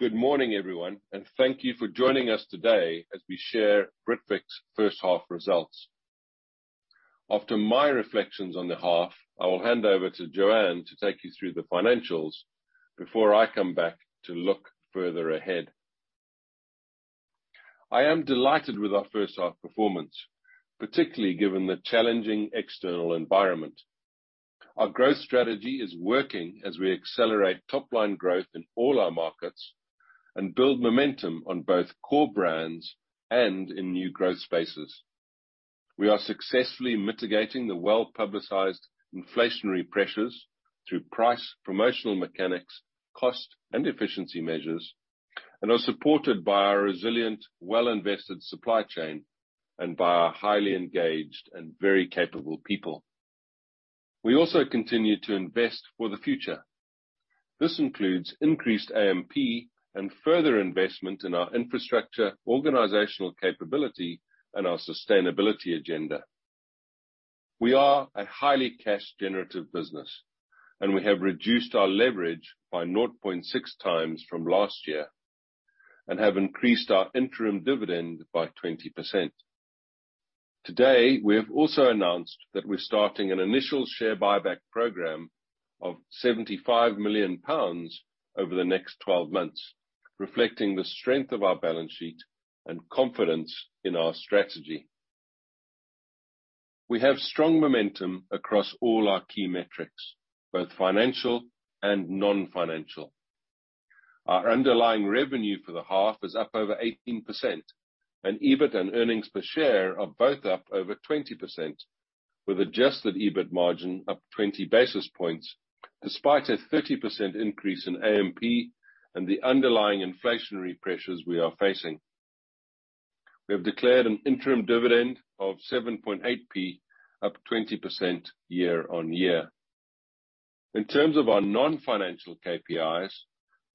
Good morning, everyone, and thank you for joining us today as we share Britvic's first half results. After my reflections on the half, I will hand over to Joanne to take you through the financials before I come back to look further ahead. I am delighted with our first half performance, particularly given the challenging external environment. Our growth strategy is working as we accelerate top-line growth in all our markets and build momentum on both core brands and in new growth spaces. We are successfully mitigating the well-publicized inflationary pressures through price promotional mechanics, cost and efficiency measures, and are supported by our resilient, well-invested supply chain and by our highly engaged and very capable people. We also continue to invest for the future. This includes increased AMP and further investment in our infrastructure, organizational capability, and our sustainability agenda. We are a highly cash generative business, and we have reduced our leverage by 0.6x from last year and have increased our interim dividend by 20%. Today, we have also announced that we're starting an initial share buyback program of 75 million pounds over the next 12 months, reflecting the strength of our balance sheet and confidence in our strategy. We have strong momentum across all our key metrics, both financial and non-financial. Our underlying revenue for the half is up over 18%, and EBIT and earnings per share are both up over 20% with adjusted EBIT margin up 20 basis points despite a 30% increase in AMP and the underlying inflationary pressures we are facing. We have declared an interim dividend of 0.078, up 20% year-on-year. In terms of our non-financial KPIs,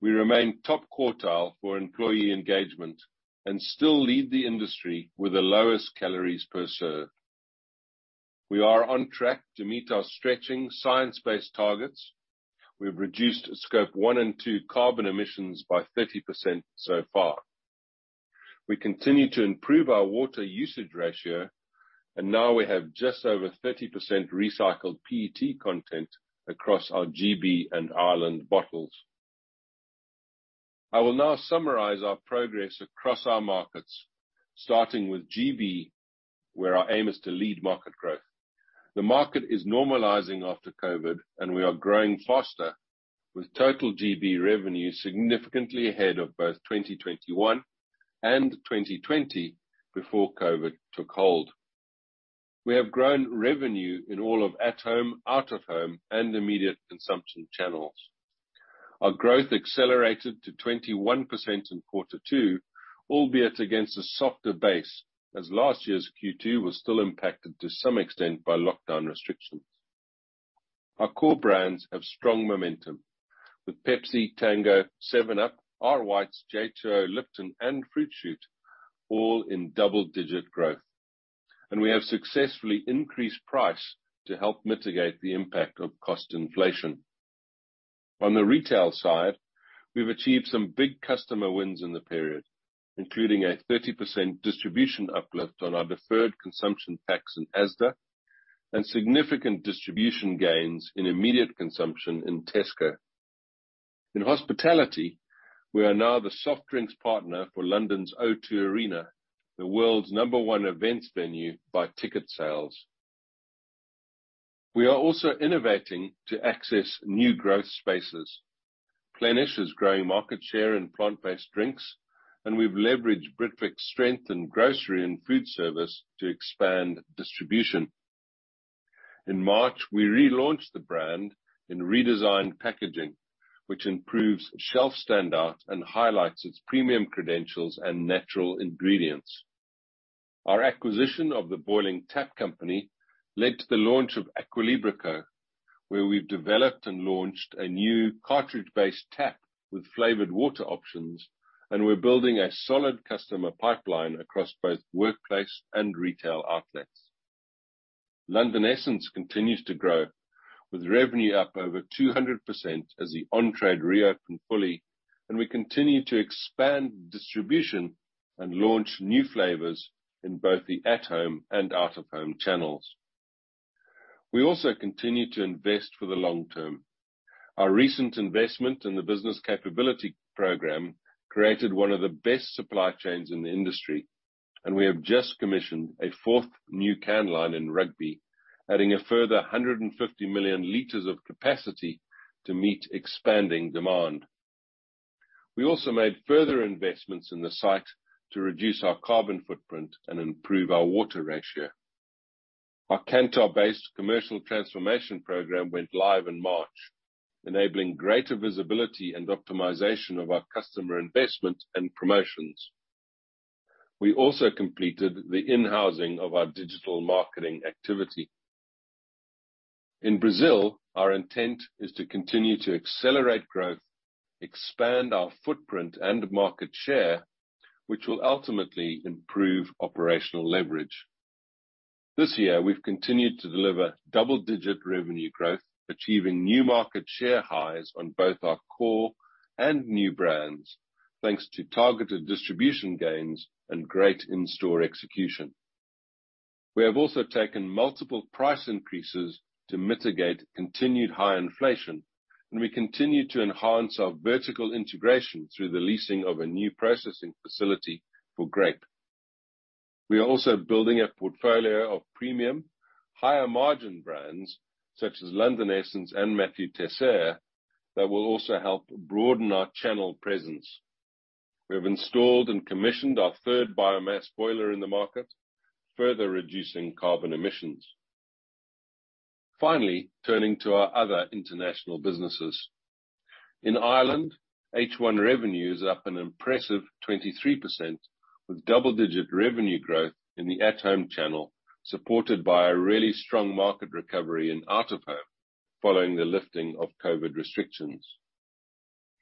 we remain top quartile for employee engagement and still lead the industry with the lowest calories per serve. We are on track to meet our stretching science-based targets. We've reduced scope one and two carbon emissions by 30% so far. We continue to improve our water usage ratio, and now we have just over 30% recycled PET content across our GB and Ireland bottles. I will now summarize our progress across our markets, starting with GB, where our aim is to lead market growth. The market is normalizing after COVID, and we are growing faster with total GB revenue significantly ahead of both 2021 and 2020 before COVID took hold. We have grown revenue in all of at home, out of home, and immediate consumption channels. Our growth accelerated to 21% in quarter two, albeit against a softer base, as last year's Q2 was still impacted to some extent by lockdown restrictions. Our core brands have strong momentum with Pepsi, Tango, 7UP, R. White's, J2O, Lipton and Fruit Shoot all in double-digit growth. We have successfully increased price to help mitigate the impact of cost inflation. On the retail side, we've achieved some big customer wins in the period, including a 30% distribution uplift on our deferred consumption packs in Asda and significant distribution gains in immediate consumption in Tesco. In hospitality, we are now the soft drinks partner for London's O2 Arena, the world's number one events venue by ticket sales. We are also innovating to access new growth spaces. Plenish is growing market share in plant-based drinks, and we've leveraged Britvic's strength in grocery and food service to expand distribution. In March, we relaunched the brand in redesigned packaging, which improves shelf standout and highlights its premium credentials and natural ingredients. Our acquisition of the Boiling Tap Company led to the launch of Aqua Libra Co, where we've developed and launched a new cartridge-based tap with flavored water options, and we're building a solid customer pipeline across both workplace and retail outlets. London Essence continues to grow, with revenue up over 200% as the on-trade reopens fully, and we continue to expand distribution and launch new flavors in both the at home and out of home channels. We also continue to invest for the long term. Our recent investment in the business capability program created one of the best supply chains in the industry, and we have just commissioned a fourth new can line in Rugby, adding a further 150 million liters of capacity to meet expanding demand. We also made further investments in the site to reduce our carbon footprint and improve our water ratio. Our Kantar-based commercial transformation program went live in March, enabling greater visibility and optimization of our customer investments and promotions. We also completed the in-housing of our digital marketing activity. In Brazil, our intent is to continue to accelerate growth, expand our footprint and market share, which will ultimately improve operational leverage. This year, we've continued to deliver double-digit revenue growth, achieving new market share highs on both our core and new brands, thanks to targeted distribution gains and great in-store execution. We have also taken multiple price increases to mitigate continued high inflation, and we continue to enhance our vertical integration through the leasing of a new processing facility for grape. We are also building a portfolio of premium higher margin brands such as London Essence and Mathieu Teisseire that will also help broaden our channel presence. We have installed and commissioned our third biomass boiler in the market, further reducing carbon emissions. Finally, turning to our other international businesses. In Ireland, H1 revenue is up an impressive 23% with double-digit revenue growth in the at-home channel, supported by a really strong market recovery in out-of-home following the lifting of COVID restrictions.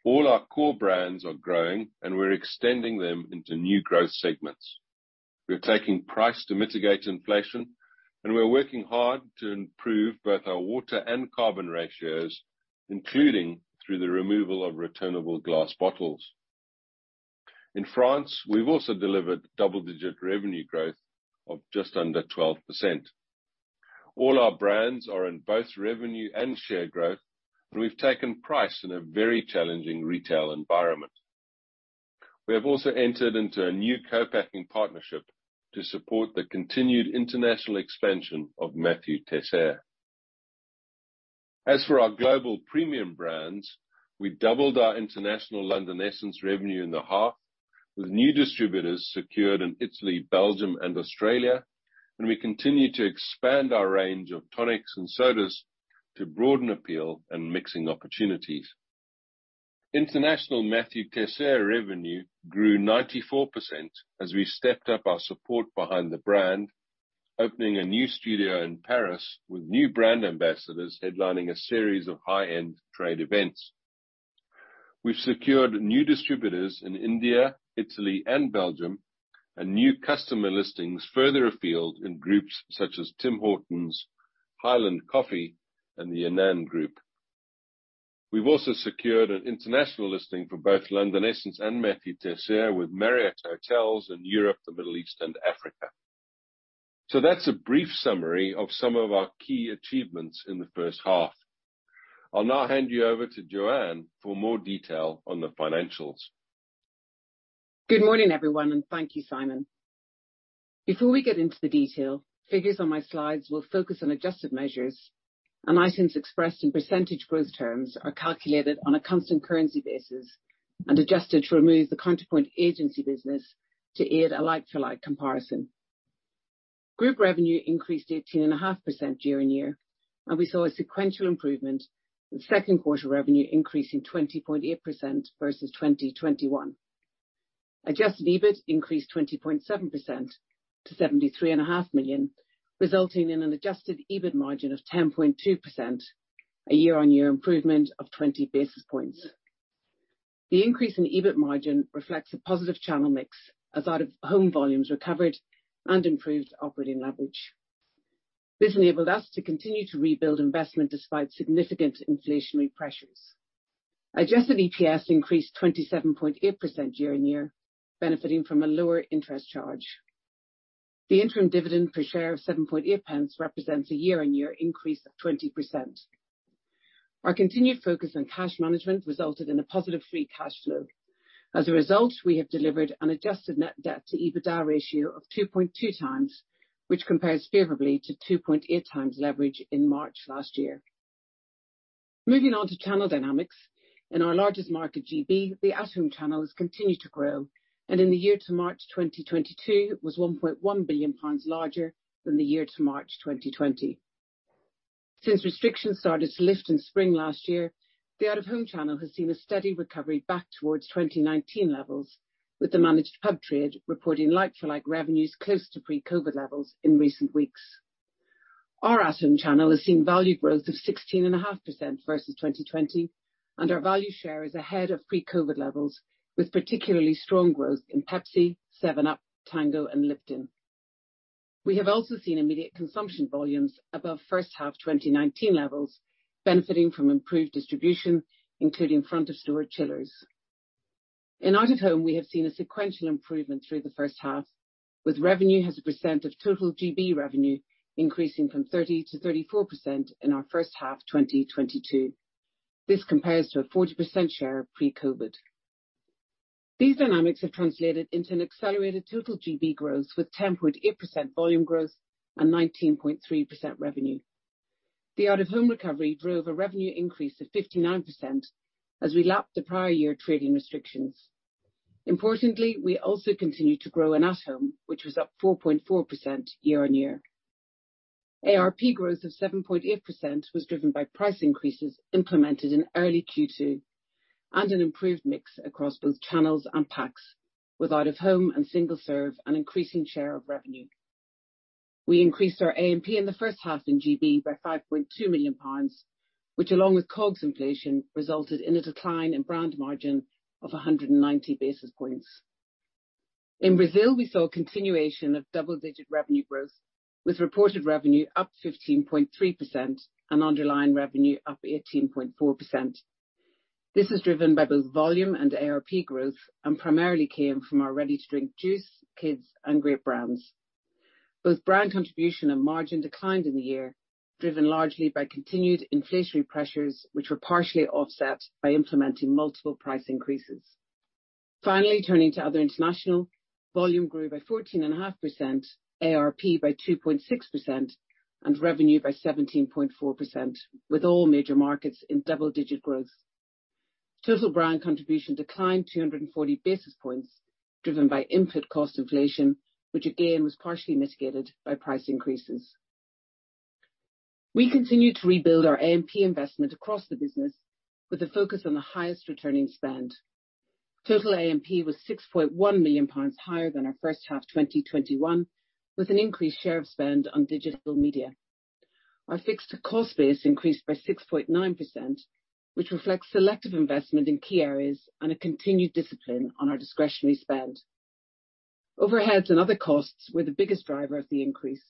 All our core brands are growing, and we're extending them into new growth segments. We're taking price to mitigate inflation, and we're working hard to improve both our water and carbon ratios, including through the removal of returnable glass bottles. In France, we've also delivered double-digit revenue growth of just under 12%. All our brands are in both revenue and share growth, and we've taken price in a very challenging retail environment. We have also entered into a new co-packing partnership to support the continued international expansion of Mathieu Teisseire. As for our global premium brands, we doubled our international London Essence revenue in the half, with new distributors secured in Italy, Belgium, and Australia, and we continue to expand our range of tonics and sodas to broaden appeal and mixing opportunities. International Mathieu Teisseire revenue grew 94% as we stepped up our support behind the brand, opening a new studio in Paris with new brand ambassadors headlining a series of high-end trade events. We've secured new distributors in India, Italy, and Belgium, and new customer listings further afield in groups such as Tim Hortons, Highlands Coffees, and the Anand Group. We've also secured an international listing for both London Essence and Mathieu Teisseire with Marriott Hotels in Europe, the Middle East, and Africa. That's a brief summary of some of our key achievements in the first half. I'll now hand you over to Joanne for more detail on the financials. Good morning, everyone, and thank you, Simon. Before we get into the detail, figures on my slides will focus on adjusted measures, and items expressed in percentage growth terms are calculated on a constant currency basis and adjusted to remove the Counterpoint agency business to aid a like-for-like comparison. Group revenue increased 18.5% year-on-year, and we saw a sequential improvement with second quarter revenue increasing 20.8% versus 2021. Adjusted EBIT increased 20.7% to 73.5 million, resulting in an adjusted EBIT margin of 10.2%, a year-on-year improvement of 20 basis points. The increase in EBIT margin reflects a positive channel mix as out-of-home volumes recovered and improved operating leverage. This enabled us to continue to rebuild investment despite significant inflationary pressures. Adjusted EPS increased 27.8% year-on-year, benefiting from a lower interest charge. The interim dividend per share of 0.078 represents a year-on-year increase of 20%. Our continued focus on cash management resulted in a positive free cash flow. As a result, we have delivered an adjusted net-debt-to-EBITDA ratio of 2.2x, which compares favorably to 2.8x leverage in March last year. Moving on to channel dynamics. In our largest market, GB, the at-home channels continue to grow, and in the year to March 2022 was 1.1 billion pounds larger than the year to March 2020. Since restrictions started to lift in spring last year, the out-of-home channel has seen a steady recovery back towards 2019 levels, with the managed pub trade reporting like-for-like revenues close to pre-COVID levels in recent weeks. Our at-home channel has seen value growth of 16.5% versus 2020, and our value share is ahead of pre-COVID levels, with particularly strong growth in Pepsi, 7UP, Tango and Lipton. We have also seen immediate consumption volumes above first half 2019 levels benefiting from improved distribution, including front of store chillers. In out-of-home, we have seen a sequential improvement through the first half, with revenue as a percent of total GB revenue increasing from 30%-34% in our first half 2022. This compares to a 40% share pre-COVID. These dynamics have translated into an accelerated total GB growth with 10.8% volume growth and 19.3% revenue. The out-of-home recovery drove a revenue increase of 59% as we lapped the prior year trading restrictions. Importantly, we also continued to grow in at-home, which was up 4.4% year-on-year. ARP growth of 7.8% was driven by price increases implemented in early Q2 and an improved mix across both channels and packs, with out-of-home and single-serve as an increasing share of revenue. We increased our AMP in the first half in GB by 5.2 million pounds, which along with COGS inflation, resulted in a decline in brand margin of 190 basis points. In Brazil, we saw a continuation of double-digit revenue growth, with reported revenue up 15.3% and underlying revenue up 18.4%. This is driven by both volume and ARP growth and primarily came from our ready-to-drink juice, kids, and grape brands. Both brand contribution and margin declined in the year, driven largely by continued inflationary pressures, which were partially offset by implementing multiple price increases. Finally, turning to other international, volume grew by 14.5%, ARP by 2.6%, and revenue by 17.4%, with all major markets in double-digit growth. Total brand contribution declined 240 basis points driven by input cost inflation, which again was partially mitigated by price increases. We continue to rebuild our AMP investment across the business with a focus on the highest returning spend. Total AMP was 6.1 million pounds higher than our first half 2021, with an increased share of spend on digital media. Our fixed cost base increased by 6.9%, which reflects selective investment in key areas and a continued discipline on our discretionary spend. Overheads and other costs were the biggest driver of the increase,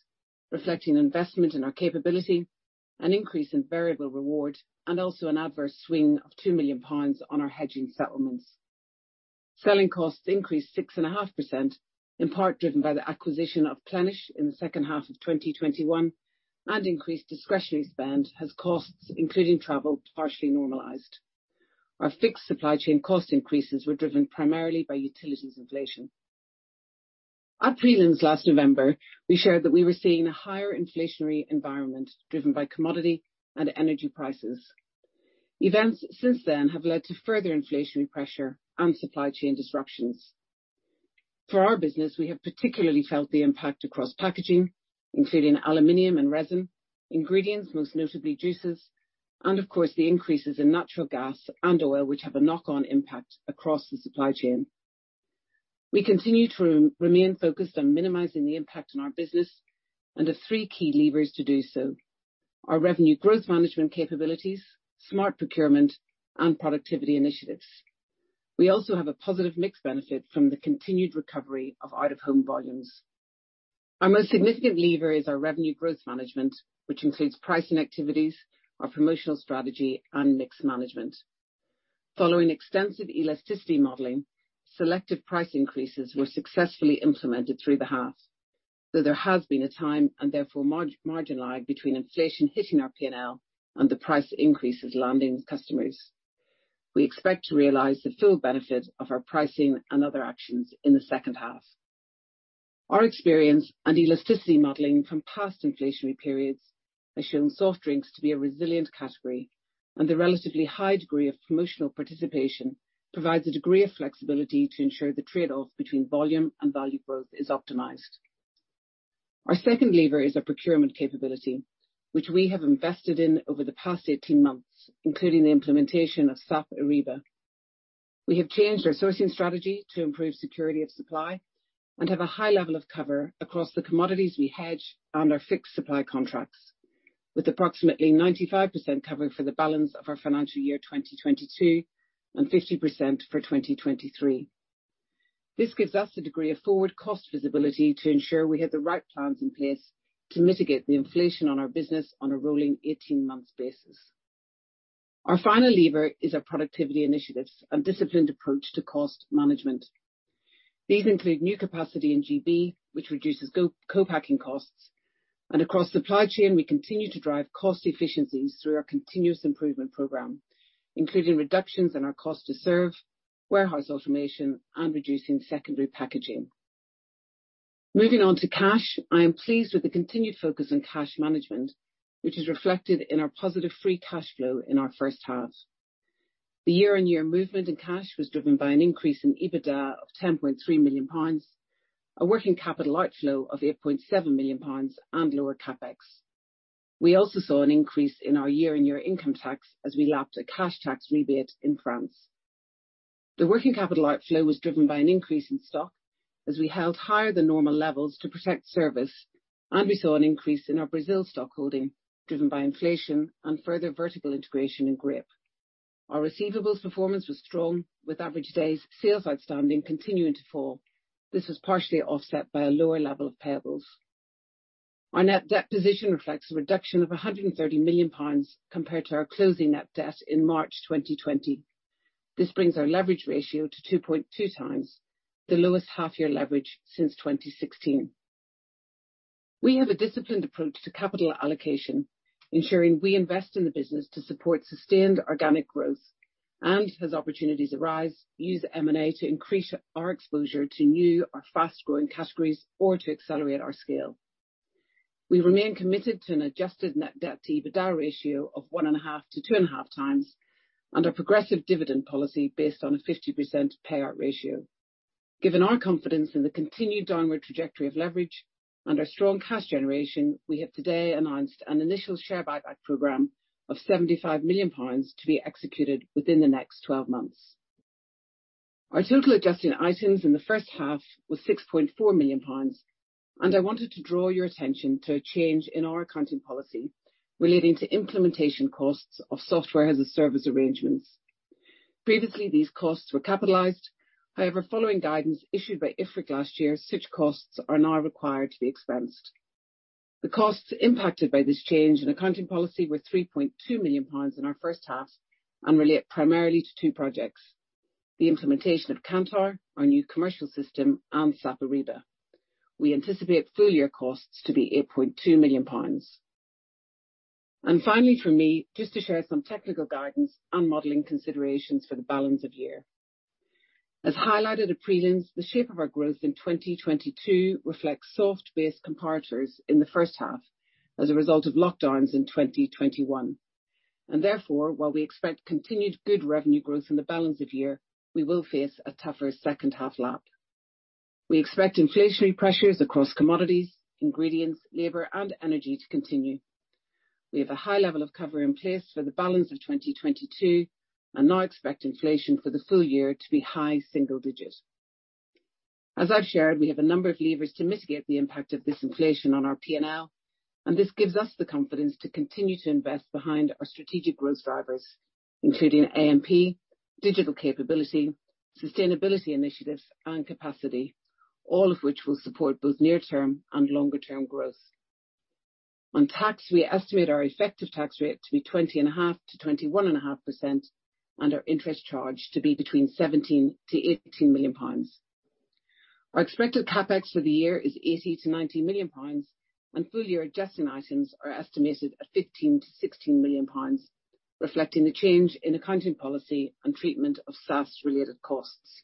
reflecting investment in our capability, an increase in variable reward, and also an adverse swing of 2 million pounds on our hedging settlements. Selling costs increased 6.5%, in part driven by the acquisition of Plenish in the second half of 2021 and increased discretionary spend as costs, including travel, partially normalized. Our fixed supply chain cost increases were driven primarily by utilities inflation. At prelims last November, we shared that we were seeing a higher inflationary environment driven by commodity and energy prices. Events since then have led to further inflationary pressure and supply chain disruptions. For our business, we have particularly felt the impact across packaging, including aluminum and resin, ingredients, most notably juices, and of course, the increases in natural gas and oil, which have a knock-on impact across the supply chain. We continue to remain focused on minimizing the impact on our business under three key levers to do so. Our revenue growth management capabilities, smart procurement, and productivity initiatives. We also have a positive mix benefit from the continued recovery of out-of-home volumes. Our most significant lever is our revenue growth management, which includes pricing activities, our promotional strategy, and mix management. Following extensive elasticity modeling, selective price increases were successfully implemented through the half, though there has been a time and therefore margin lag between inflation hitting our P&L and the price increases landing with customers. We expect to realize the full benefit of our pricing and other actions in the second half. Our experience and elasticity modeling from past inflationary periods has shown soft drinks to be a resilient category, and the relatively high degree of promotional participation provides a degree of flexibility to ensure the trade-off between volume and value growth is optimized. Our second lever is our procurement capability, which we have invested in over the past 18 months, including the implementation of SAP Ariba. We have changed our sourcing strategy to improve security of supply and have a high level of cover across the commodities we hedge and our fixed supply contracts with approximately 95% coverage for the balance of our financial year 2022 and 50% for 2023. This gives us a degree of forward cost visibility to ensure we have the right plans in place to mitigate the inflation on our business on a rolling 18 months basis. Our final lever is our productivity initiatives and disciplined approach to cost management. These include new capacity in GB, which reduces co-packing costs. Across supply chain, we continue to drive cost efficiencies through our continuous improvement program, including reductions in our cost to serve, warehouse automation, and reducing secondary packaging. Moving on to cash. I am pleased with the continued focus on cash management, which is reflected in our positive free cash flow in our first half. The year-on-year movement in cash was driven by an increase in EBITDA of 10.3 million pounds, a working capital outflow of 8.7 million pounds and lower CapEx. We also saw an increase in our year-on-year income tax as we lapped a cash tax rebate in France. The working capital outflow was driven by an increase in stock as we held higher than normal levels to protect service, and we saw an increase in our Brazil stock holding driven by inflation and further vertical integration in grape. Our receivables performance was strong with average days sales outstanding continuing to fall. This was partially offset by a lower level of payables. Our net debt position reflects a reduction of 130 million pounds compared to our closing net debt in March 2020. This brings our leverage ratio to 2.2x, the lowest half-year leverage since 2016. We have a disciplined approach to capital allocation, ensuring we invest in the business to support sustained organic growth, and as opportunities arise, use M&A to increase our exposure to new or fast-growing categories or to accelerate our scale. We remain committed to an adjusted net debt to EBITDA ratio of 1.5-2.5x and a progressive dividend policy based on a 50% payout ratio. Given our confidence in the continued downward trajectory of leverage and our strong cash generation, we have today announced an initial share buyback program of 75 million pounds to be executed within the next 12 months. Our total adjusting items in the first half was 6.4 million pounds, and I wanted to draw your attention to a change in our accounting policy relating to implementation costs of software as a service arrangements. Previously, these costs were capitalized. However, following guidance issued by IFRIC last year, such costs are now required to be expensed. The costs impacted by this change in accounting policy were 3.2 million pounds in our first half and relate primarily to two projects, the implementation of Kantar, our new commercial system, and SAP Ariba. We anticipate full year costs to be 8.2 million pounds. Finally, for me, just to share some technical guidance and modeling considerations for the balance of year. As highlighted at prelims, the shape of our growth in 2022 reflects soft-based comparators in the first half as a result of lockdowns in 2021. Therefore, while we expect continued good revenue growth in the balance of year, we will face a tougher second half comp. We expect inflationary pressures across commodities, ingredients, labor, and energy to continue. We have a high level of cover in place for the balance of 2022 and now expect inflation for the full year to be high single-digit. As I've shared, we have a number of levers to mitigate the impact of this inflation on our P&L, and this gives us the confidence to continue to invest behind our strategic growth drivers, including AMP, digital capability, sustainability initiatives and capacity, all of which will support both near term and longer term growth. On tax, we estimate our effective tax rate to be 20.5%-21.5%, and our interest charge to be between 17 million-18 million pounds. Our expected CapEx for the year is 80 million-90 million pounds, and full year adjusting items are estimated at 15 million-16 million pounds, reflecting the change in accounting policy and treatment of SaaS related costs.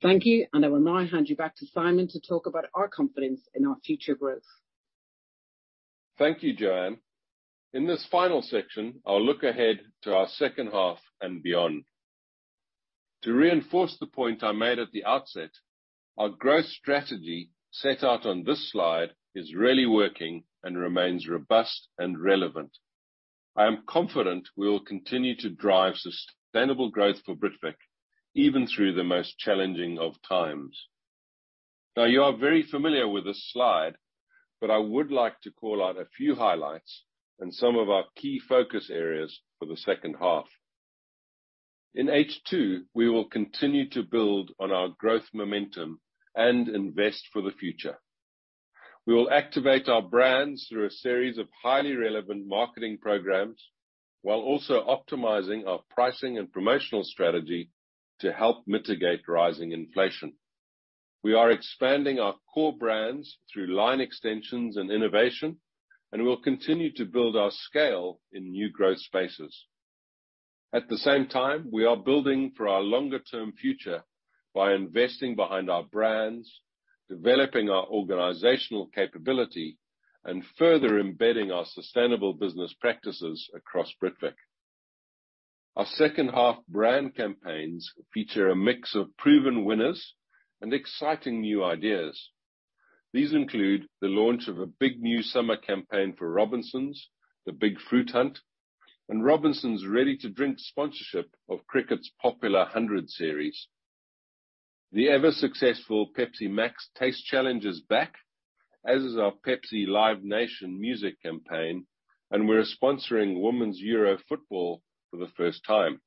Thank you, and I will now hand you back to Simon to talk about our confidence in our future growth. Thank you, Joanne. In this final section, I'll look ahead to our second half and beyond. To reinforce the point I made at the outset, our growth strategy set out on this slide is really working and remains robust and relevant. I am confident we will continue to drive sustainable growth for Britvic even through the most challenging of times. Now, you are very familiar with this slide, but I would like to call out a few highlights and some of our key focus areas for the second half. In H2, we will continue to build on our growth momentum and invest for the future. We will activate our brands through a series of highly relevant marketing programs while also optimizing our pricing and promotional strategy to help mitigate rising inflation. We are expanding our core brands through line extensions and innovation, and we'll continue to build our scale in new growth spaces. At the same time, we are building for our longer term future by investing behind our brands, developing our organizational capability, and further embedding our sustainable business practices across Britvic. Our second half brand campaigns feature a mix of proven winners and exciting new ideas. These include the launch of a big new summer campaign for Robinsons, The Big Fruit Hunt, and Robinsons Ready to Drink sponsorship of cricket's popular The Hundred. The ever successful Pepsi MAX Taste Challenge is back, as is our Pepsi Live Nation music campaign, and we're sponsoring UEFA Women's Euro for the first time.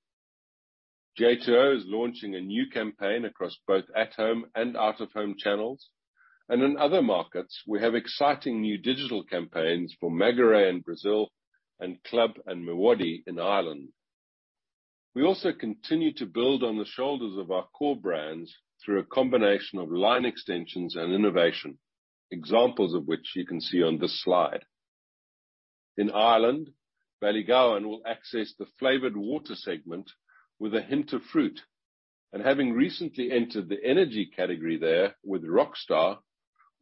J2O is launching a new campaign across both at home and out of home channels. In other markets, we have exciting new digital campaigns for Maguary in Brazil and Club and MiWadi in Ireland. We also continue to build on the shoulders of our core brands through a combination of line extensions and innovation, examples of which you can see on this slide. In Ireland, Ballygowan will access the flavored water segment with a hint of fruit. Having recently entered the energy category there with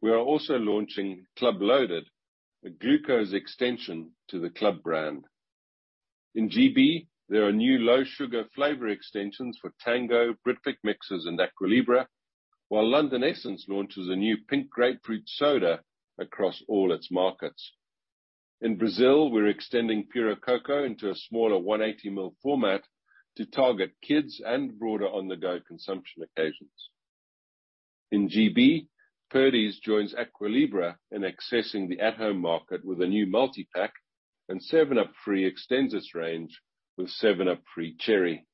Rockstar, we are also launching Club Loaded, a glucose extension to the Club brand. In GB, there are new low sugar flavor extensions for Tango, Britvic Mixers and Aqua Libra, while London Essence launches a new pink grapefruit soda across all its markets. In Brazil, we're extending Puro Coco into a smaller 180 ml format to target kids and broader on-the-go consumption occasions. In GB, Pepsi joins Aqua Libra in accessing the at home market with a new multi-pack, and 7UP Free extends its range with 7UP Free Cherry.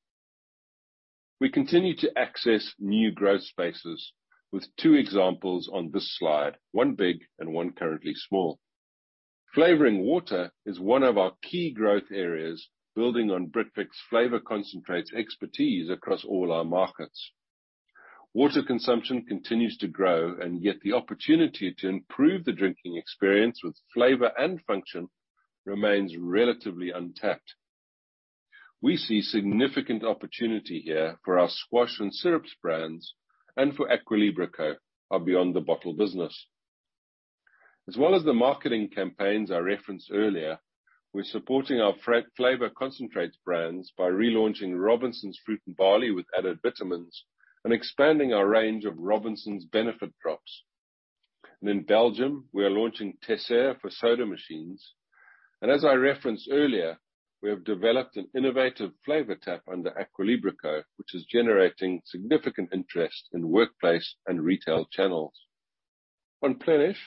We continue to access new growth spaces with two examples on this slide, one big and one currently small. Flavoring water is one of our key growth areas, building on Britvic's flavor concentrates expertise across all our markets. Water consumption continues to grow, and yet the opportunity to improve the drinking experience with flavor and function remains relatively untapped. We see significant opportunity here for our squash and syrups brands and for Aqua Libra Co., our beyond the bottle business. As well as the marketing campaigns I referenced earlier, we're supporting our flavor concentrates brands by relaunching Robinsons Fruit & Barley with added vitamins and expanding our range of Robinsons Benefit Drops. In Belgium, we are launching Teisseire for soda machines. As I referenced earlier, we have developed an innovative flavor tap under Aqua Libra Co, which is generating significant interest in workplace and retail channels. On Plenish,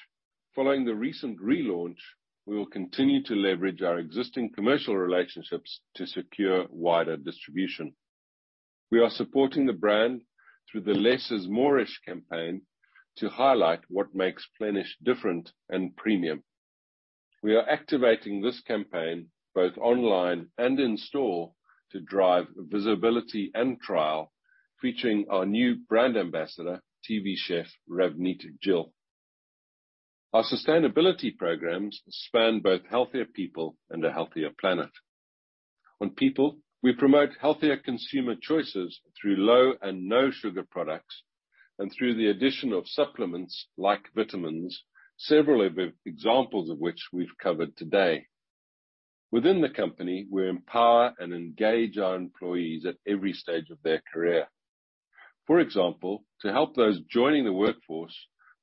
following the recent relaunch, we will continue to leverage our existing commercial relationships to secure wider distribution. We are supporting the brand through the Less Is Moreish campaign to highlight what makes Plenish different and premium. We are activating this campaign both online and in store to drive visibility and trial, featuring our new brand ambassador, TV chef Ravneet Gill. Our sustainability programs span both healthier people and a healthier planet. On people, we promote healthier consumer choices through low and no sugar products and through the addition of supplements like vitamins, several examples of which we've covered today. Within the company, we empower and engage our employees at every stage of their career. For example, to help those joining the workforce,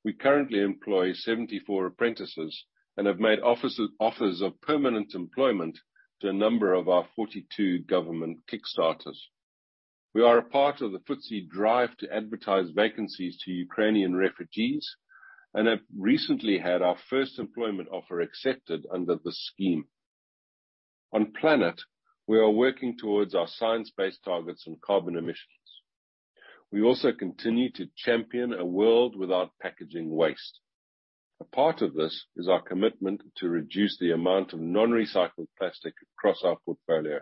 we currently employ 74 apprentices and have made offers of permanent employment to a number of our 42 government kickstarters. We are a part of the FTSE drive to advertise vacancies to Ukrainian refugees and have recently had our first employment offer accepted under this scheme. On plan, we are working towards our science-based targets on carbon emissions. We also continue to champion a world without packaging waste. A part of this is our commitment to reduce the amount of non-recycled plastic across our portfolio.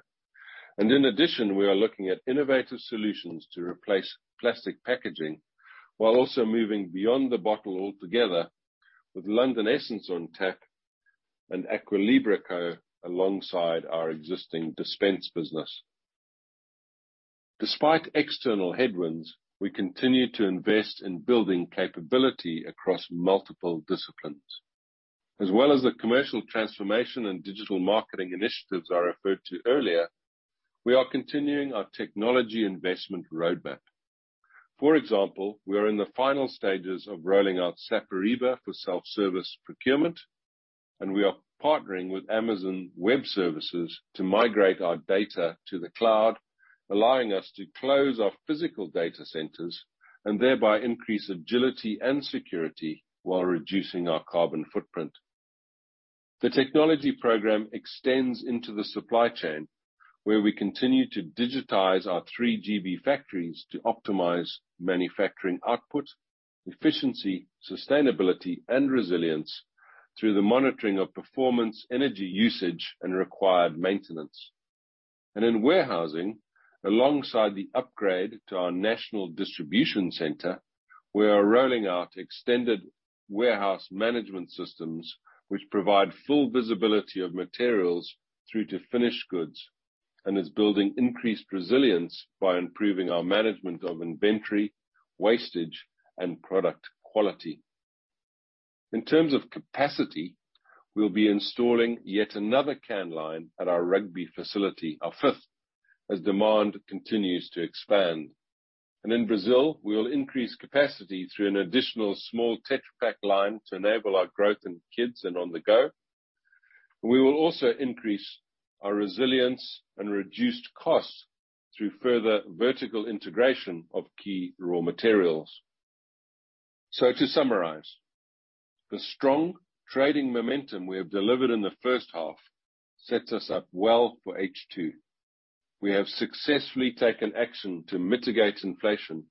In addition, we are looking at innovative solutions to replace plastic packaging while also moving beyond the bottle altogether with London Essence on tap and Aqua Libra Co alongside our existing dispense business. Despite external headwinds, we continue to invest in building capability across multiple disciplines. As well as the commercial transformation and digital marketing initiatives I referred to earlier, we are continuing our technology investment roadmap. For example, we are in the final stages of rolling out SAP Ariba for self-service procurement, and we are partnering with Amazon Web Services to migrate our data to the cloud, allowing us to close our physical data centers and thereby increase agility and security while reducing our carbon footprint. The technology program extends into the supply chain, where we continue to digitize our 3 GB factories to optimize manufacturing output, efficiency, sustainability, and resilience through the monitoring of performance, energy usage, and required maintenance. In warehousing, alongside the upgrade to our national distribution center, we are rolling out extended warehouse management systems which provide full visibility of materials through to finished goods and is building increased resilience by improving our management of inventory, wastage, and product quality. In terms of capacity, we'll be installing yet another can line at our Rugby facility, our fifth, as demand continues to expand. In Brazil, we will increase capacity through an additional small Tetra Pak line to enable our growth in Kids and On the Go. We will also increase our resilience and reduce costs through further vertical integration of key raw materials. To summarize, the strong trading momentum we have delivered in the first half sets us up well for H2. We have successfully taken action to mitigate inflation,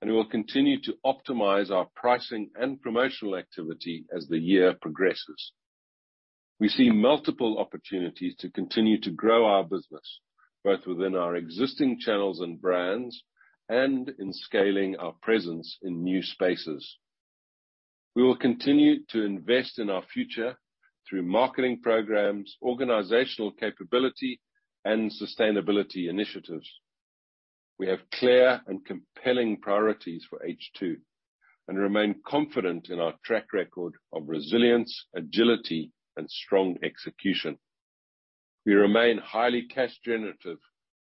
and we will continue to optimize our pricing and promotional activity as the year progresses. We see multiple opportunities to continue to grow our business, both within our existing channels and brands and in scaling our presence in new spaces. We will continue to invest in our future through marketing programs, organizational capability, and sustainability initiatives. We have clear and compelling priorities for H2 and remain confident in our track record of resilience, agility, and strong execution. We remain highly cash generative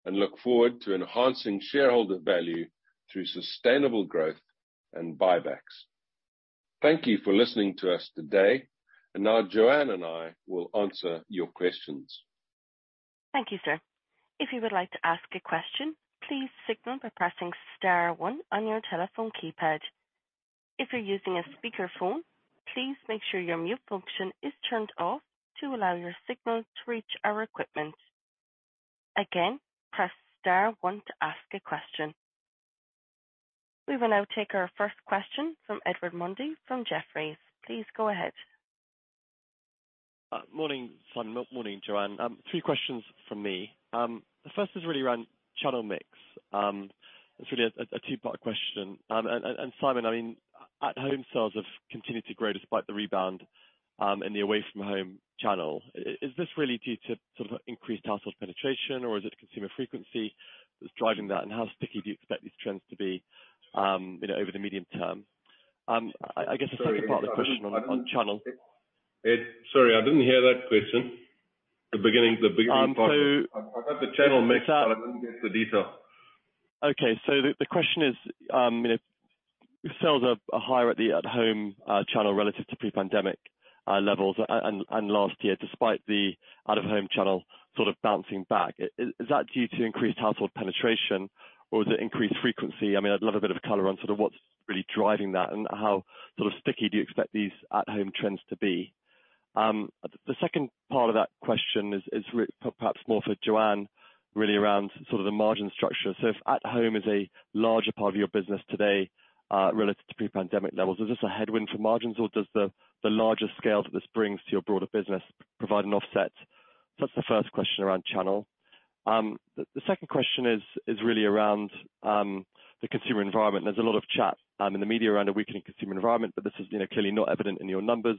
and look forward to enhancing shareholder value through sustainable growth and buybacks. Thank you for listening to us today, and now Joanne and I will answer your questions. Thank you, sir. If you would like to ask a question, please signal by pressing star one on your telephone keypad. If you're using a speakerphone, please make sure your mute function is turned off to allow your signal to reach our equipment. Again, press star one to ask a question. We will now take our first question from Ed Mundy from Jefferies. Please go ahead. Morning, Simon. Morning, Joanne. A few questions from me. The first is really around channel mix. It's really a two-part question. Simon, I mean, at home sales have continued to grow despite the rebound in the away-from-home channel. Is this really due to sort of increased household penetration, or is it consumer frequency that's driving that? And how sticky do you expect these trends to be, you know, over the medium term? I guess the second part of the question on channel- Ed, sorry, I didn't hear that question. The beginning part. Channel mix. I got the channel mix part. I didn't get the detail. Okay. The question is, you know, sales are higher at the at-home channel relative to pre-pandemic levels and last year, despite the out-of-home channel sort of bouncing back. Is that due to increased household penetration or is it increased frequency? I mean, I'd love a bit of color on sort of what's really driving that and how sort of sticky do you expect these at-home trends to be? The second part of that question is perhaps more for Joanne, really around sort of the margin structure. If at-home is a larger part of your business today, relative to pre-pandemic levels, is this a headwind for margins, or does the larger scale that this brings to your broader business provide an offset? That's the first question around channel. The second question is really around the consumer environment. There's a lot of chat in the media around a weakening consumer environment, but this is, you know, clearly not evident in your numbers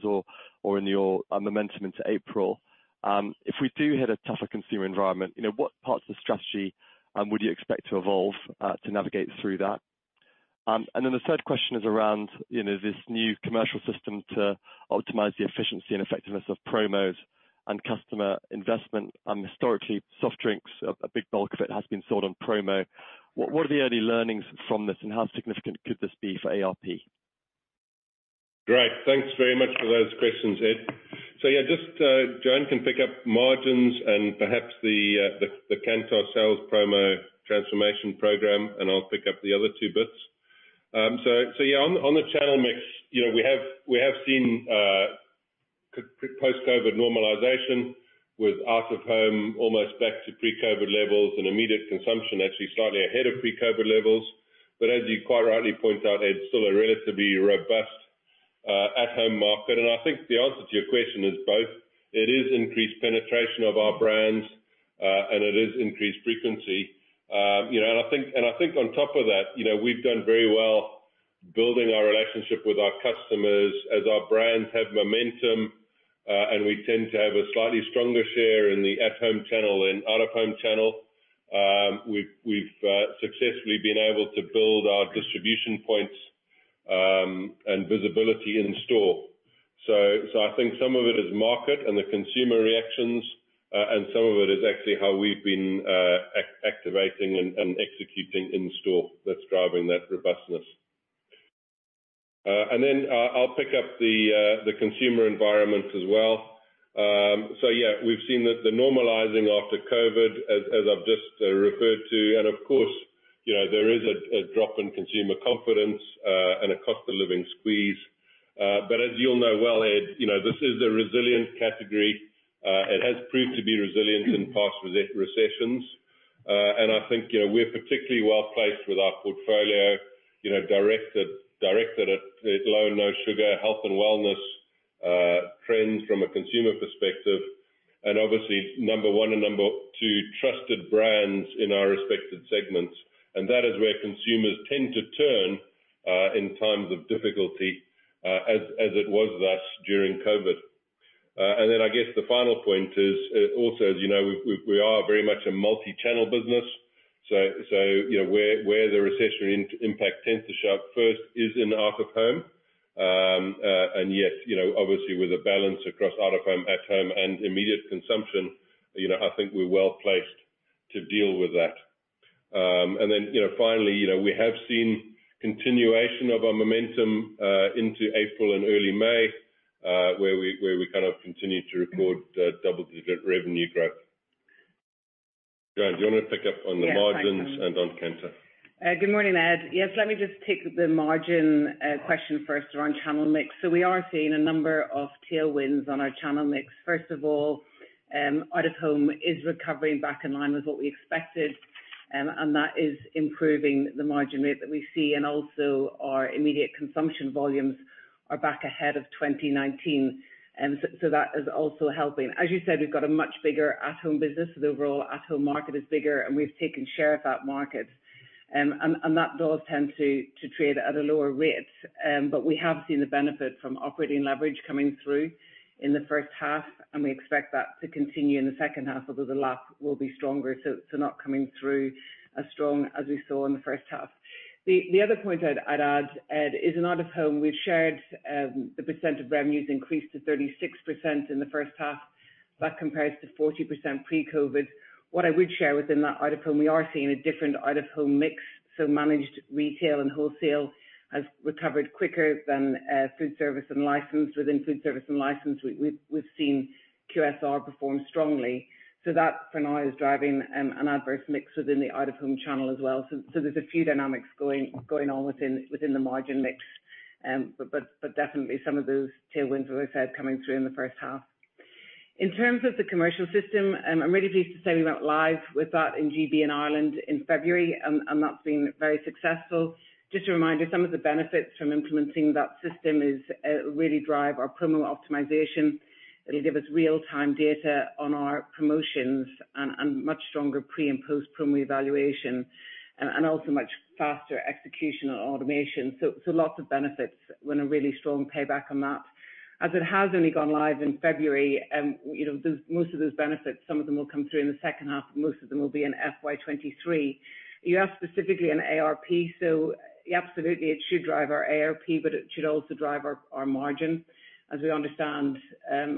or in your momentum into April. If we do hit a tougher consumer environment, you know, what parts of the strategy would you expect to evolve to navigate through that? The third question is around, you know, this new commercial system to optimize the efficiency and effectiveness of promos and customer investment. Historically, soft drinks, a big bulk of it has been sold on promo. What are the early learnings from this, and how significant could this be for ARP? Great. Thanks very much for those questions, Ed Mundy. Yeah, just Joanne Wilson can pick up margins and perhaps the Kantar sales promo transformation program, and I'll pick up the other two bits. On the channel mix, we have seen post-COVID normalization with out of home almost back to pre-COVID levels and immediate consumption actually slightly ahead of pre-COVID levels. As you quite rightly point out, it's still a relatively robust at-home market. I think the answer to your question is both. It is increased penetration of our brands and it is increased frequency. You know, on top of that, you know, we've done very well building our relationship with our customers as our brands have momentum, and we tend to have a slightly stronger share in the at home channel than out of home channel. We've successfully been able to build our distribution points and visibility in store. I think some of it is market and the consumer reactions, and some of it is actually how we've been activating and executing in store that's driving that robustness. I'll pick up the consumer environment as well. Yeah, we've seen the normalizing after COVID as I've just referred to. Of course, you know, there is a drop in consumer confidence and a cost of living squeeze. But as you'll know well, Ed, you know, this is a resilient category. It has proved to be resilient in past recessions. I think, you know, we're particularly well-placed with our portfolio, you know, directed at low and no sugar, health and wellness trends from a consumer perspective, and obviously number one and number two trusted brands in our respective segments. That is where consumers tend to turn in times of difficulty, as it was thus during COVID. Then I guess the final point is also, as you know, we are very much a multi-channel business. You know, where the recession impact tends to show up first is in out of home. Yes, you know, obviously with a balance across out of home, at home and immediate consumption, you know, I think we're well-placed to deal with that. You know, finally, you know, we have seen continuation of our momentum into April and early May, where we kind of continued to report double-digit revenue growth. Joanne, do you want to pick up on the margins? Yes, I can. On Kantar? Good morning, Ed. Yes, let me just take the margin question first around channel mix. We are seeing a number of tailwinds on our channel mix. First of all, out of home is recovering back in line with what we expected, and that is improving the margin rate that we see and also our immediate consumption volumes are back ahead of 2019. That is also helping. As you said, we've got a much bigger at-home business. The overall at-home market is bigger, and we've taken share of that market. That does tend to trade at a lower rate. We have seen the benefit from operating leverage coming through in the first half, and we expect that to continue in the second half, although the lap will be stronger, so not coming through as strong as we saw in the first half. The other point I'd add, Ed, is in out of home, we've shared the percent of revenues increased to 36% in the first half. That compares to 40% pre-COVID. What I would share within that out of home, we are seeing a different out of home mix. So managed retail and wholesale has recovered quicker than food service and licensed. Within food service and licensed, we've seen QSR perform strongly. So that for now is driving an adverse mix within the out of home channel as well. There's a few dynamics going on within the margin mix. Definitely some of those tailwinds, as I said, coming through in the first half. In terms of the commercial system, I'm really pleased to say we went live with that in GB and Ireland in February, and that's been very successful. Just a reminder, some of the benefits from implementing that system is really drive our promo optimization. It'll give us real-time data on our promotions and much stronger pre- and post-promo evaluation and also much faster execution on automation. Lots of benefits and a really strong payback on that. As it has only gone live in February, you know, most of those benefits, some of them will come through in the second half, but most of them will be in FY 2023. You asked specifically on ARP, so absolutely it should drive our ARP, but it should also drive our margin. As we understand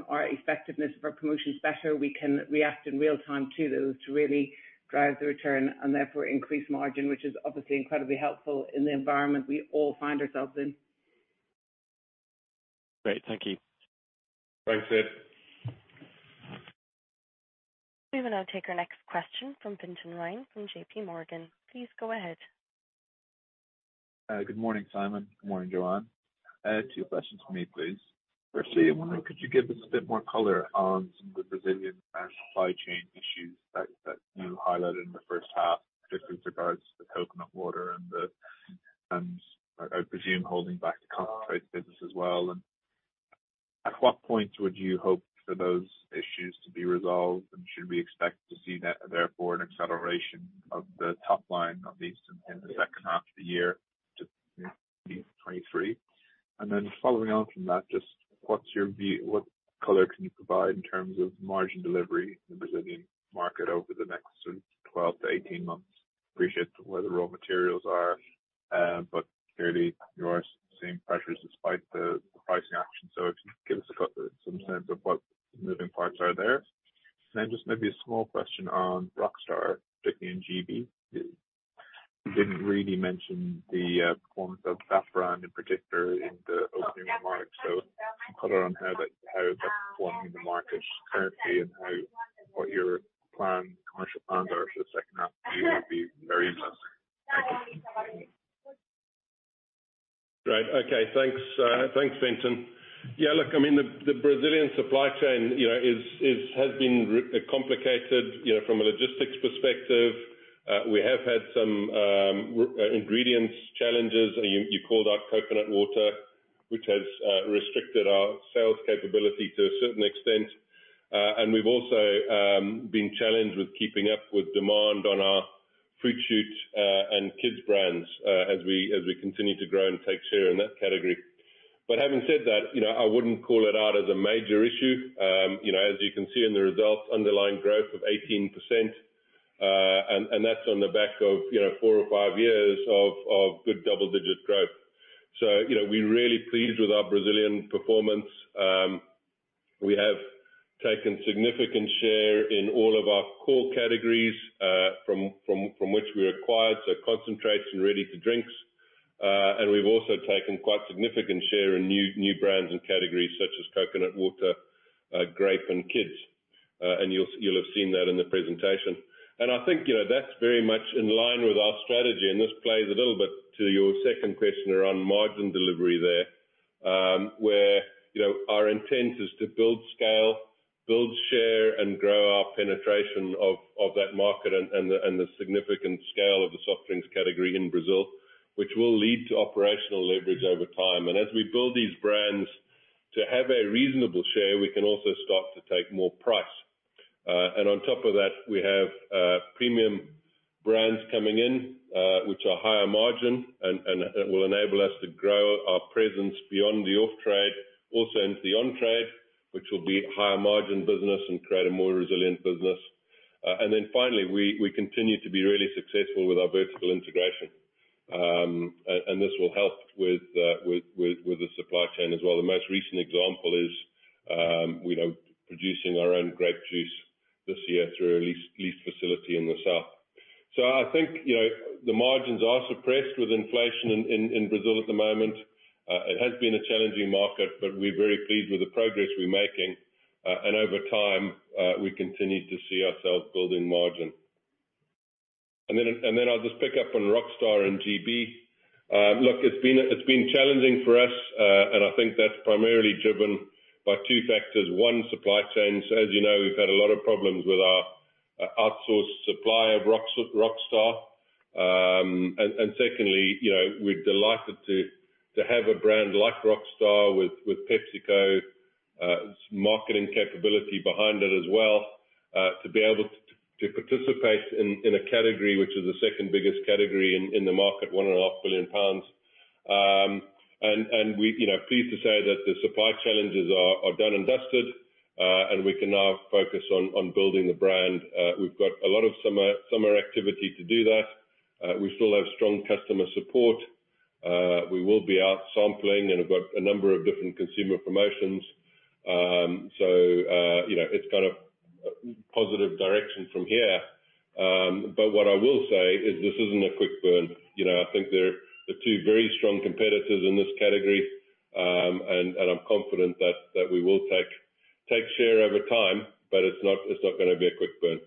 our effectiveness of our promotions better, we can react in real time to those to really drive the return and therefore increase margin, which is obviously incredibly helpful in the environment we all find ourselves in. Great. Thank you. Thanks, Sid. We will now take our next question from Fintan Ryan from JPMorgan. Please go ahead. Good morning, Simon. Good morning, Joanne. I have two questions for you, please. Sure. Firstly, I wonder could you give us a bit more color on some of the Brazilian supply chain issues that you highlighted in the first half, just with regards to the coconut water and I presume holding back the concentrate business as well. At what point would you hope for those issues to be resolved? Should we expect to see that therefore an acceleration of the top line of these in the second half of the year to 2023. Then following on from that, just what color can you provide in terms of margin delivery in the Brazilian market over the next sort of 12-18 months? Appreciate where the raw materials are, but clearly you are seeing pressures despite the pricing action. If you could give us some sense of what moving parts are there. Just maybe a small question on Rockstar, particularly in GB. You didn't really mention the performance of that brand in particular in the opening remarks. Color on how that's performing in the market currently and what your commercial plans are for the second half of the year would be very helpful. Thank you. Great. Okay. Thanks. Thanks, Fintan. Yeah, look, I mean, the Brazilian supply chain, you know, is complicated, you know, from a logistics perspective. We have had some ingredients challenges. You called out coconut water, which has restricted our sales capability to a certain extent. And we've also been challenged with keeping up with demand on our Fruit Shoot and kids brands as we continue to grow and take share in that category. Having said that, you know, I wouldn't call it out as a major issue. You know, as you can see in the results, underlying growth of 18%, and that's on the back of, you know, four or five years of good double-digit growth. You know, we're really pleased with our Brazilian performance. We have taken significant share in all of our core categories from which we acquired, so concentrates and ready-to-drinks. We've also taken quite significant share in new brands and categories such as coconut water, grape, and Kids. You'll have seen that in the presentation. I think, you know, that's very much in line with our strategy, and this plays a little bit to your second question around margin delivery there, where, you know, our intent is to build scale, build share, and grow our penetration of that market and the significant scale of the soft drinks category in Brazil, which will lead to operational leverage over time. As we build these brands to have a reasonable share, we can also start to take more price. On top of that, we have premium brands coming in, which are higher margin and will enable us to grow our presence beyond the off-trade, also into the on-trade, which will be higher margin business and create a more resilient business. Finally, we continue to be really successful with our vertical integration. This will help with the supply chain as well. The most recent example is you know, producing our own grape juice this year through a leased facility in the south. I think you know, the margins are suppressed with inflation in Brazil at the moment. It has been a challenging market, but we're very pleased with the progress we're making. Over time, we continue to see ourselves building margin. I'll just pick up on Rockstar and GB. Look, it's been challenging for us, and I think that's primarily driven by two factors. One, supply chains. As you know, we've had a lot of problems with our outsourced supply of Rockstar. Secondly, you know, we're delighted to have a brand like Rockstar with PepsiCo marketing capability behind it as well, to be able to participate in a category which is the second biggest category in the market, 1.5 billion pounds. We're pleased to say that the supply challenges are done and dusted, and we can now focus on building the brand. We've got a lot of summer activity to do that. We still have strong customer support. We will be out sampling, and we've got a number of different consumer promotions. You know, it's got a positive direction from here. What I will say is this isn't a quick burn. You know, I think there are two very strong competitors in this category. I'm confident that we will take share over time, but it's not gonna be a quick burn.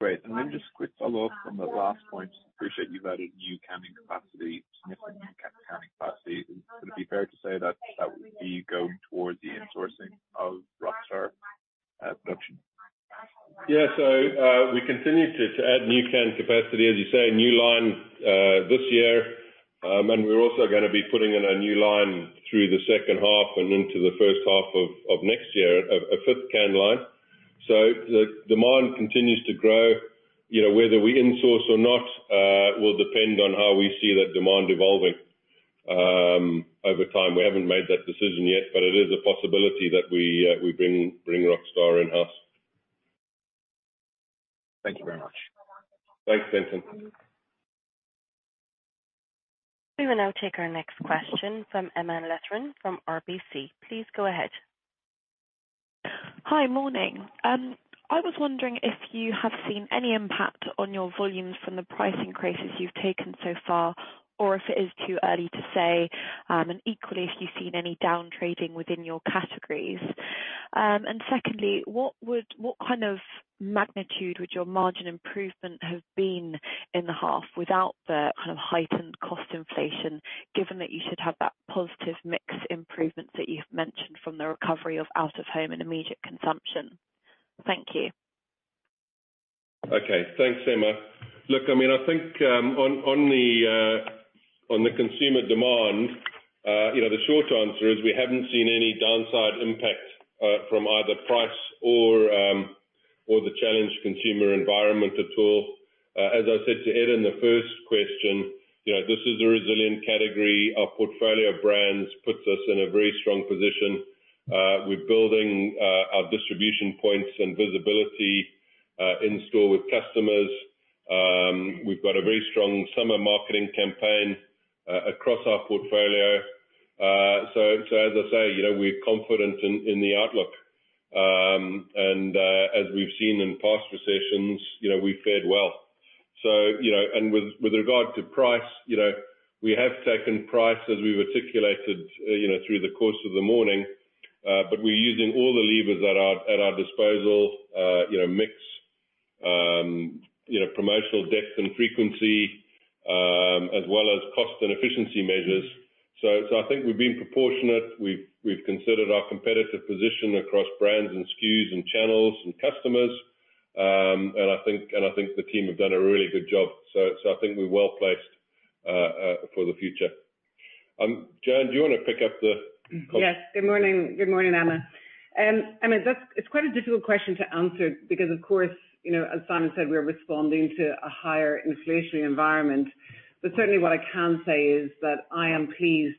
Great. Just a quick follow-up from the last point. Appreciate you've added new canning capacity, significant canning capacity. Would it be fair to say that that would be going towards the insourcing of Rockstar production? We continue to add new can capacity. As you say, a new line this year. We're also gonna be putting in a new line through the second half and into the first half of next year, a fifth can line. The demand continues to grow. Whether we insource or not will depend on how we see that demand evolving over time. We haven't made that decision yet, but it is a possibility that we bring Rockstar in-house. Thank you very much. Thanks, Fintan. We will now take our next question from Emma Letheren from RBC. Please go ahead. Hi, morning. I was wondering if you have seen any impact on your volumes from the price increases you've taken so far, or if it is too early to say, and equally if you've seen any down trading within your categories. Secondly, what kind of magnitude would your margin improvement have been in the half without the kind of heightened cost inflation, given that you should have that positive mix improvement that you've mentioned from the recovery of out of home and immediate consumption? Thank you. Okay. Thanks, Emma. Look, I mean, I think, on the consumer demand, you know, the short answer is we haven't seen any downside impact, from either price or the challenged consumer environment at all. As I said to Ed in the first question, you know, this is a resilient category. Our portfolio of brands puts us in a very strong position, with building our distribution points and visibility, in-store with customers. We've got a very strong summer marketing campaign across our portfolio. So as I say, you know, we're confident in the outlook. And as we've seen in past recessions, you know, we've fared well. You know, with regard to price, you know, we have taken price as we've articulated, you know, through the course of the morning, but we're using all the levers at our disposal, you know, mix, you know, promotional depth and frequency, as well as cost and efficiency measures. I think we've been proportionate. We've considered our competitive position across brands and SKUs and channels and customers. I think the team have done a really good job. I think we're well placed for the future. Joanne, do you wanna pick up the call? Yes. Good morning. Good morning, Emma. I mean, that's—it's quite a difficult question to answer because of course, you know, as Simon said, we're responding to a higher inflationary environment. Certainly what I can say is that I am pleased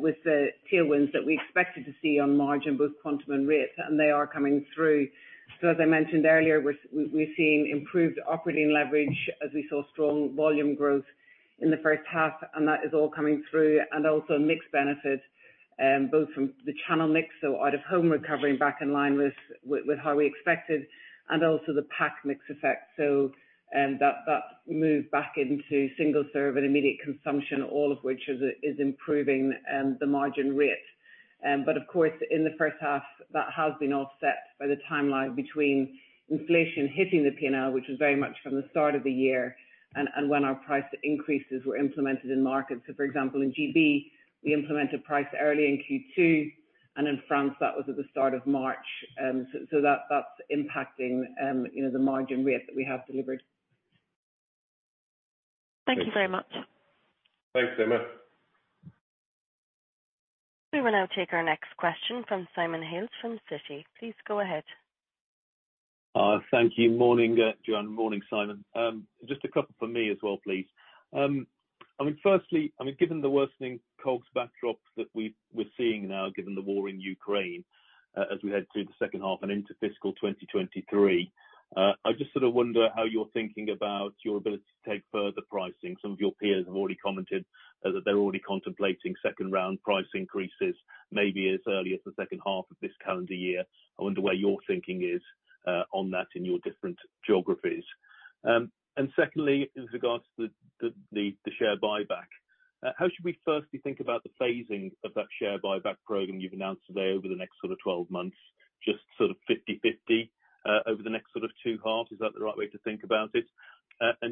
with the tailwinds that we expected to see on margin, both quantum and rate, and they are coming through. As I mentioned earlier, we're seeing improved operating leverage as we saw strong volume growth in the first half, and that is all coming through. Also mixed benefit both from the channel mix, so out of home recovery and back in line with how we expected and also the pack mix effect. That's moved back into single serve and immediate consumption, all of which is improving the margin rate. Of course, in the first half, that has been offset by the timeline between inflation hitting the P&L, which was very much from the start of the year, and when our price increases were implemented in markets. So for example, in GB, we implemented price early in Q2, and in France that was at the start of March. So that's impacting, you know, the margin rate that we have delivered. Thank you very much. Thanks, Emma. We will now take our next question from Simon Hales from Citi. Please go ahead. Thank you. Morning, Joanne. Morning, Simon. Just a couple from me as well, please. I mean, firstly, I mean, given the worsening COGS backdrop that we're seeing now, given the war in Ukraine, as we head through the second half and into fiscal 2023, I just sort of wonder how you're thinking about your ability to take further pricing. Some of your peers have already commented that they're already contemplating second-round price increases maybe as early as the second half of this calendar year. I wonder where your thinking is, on that in your different geographies. Secondly, in regards to the share buyback, how should we firstly think about the phasing of that share buyback program you've announced today over the next sort of 12 months, just sort of 50/50 over the next sort of two halves? Is that the right way to think about it?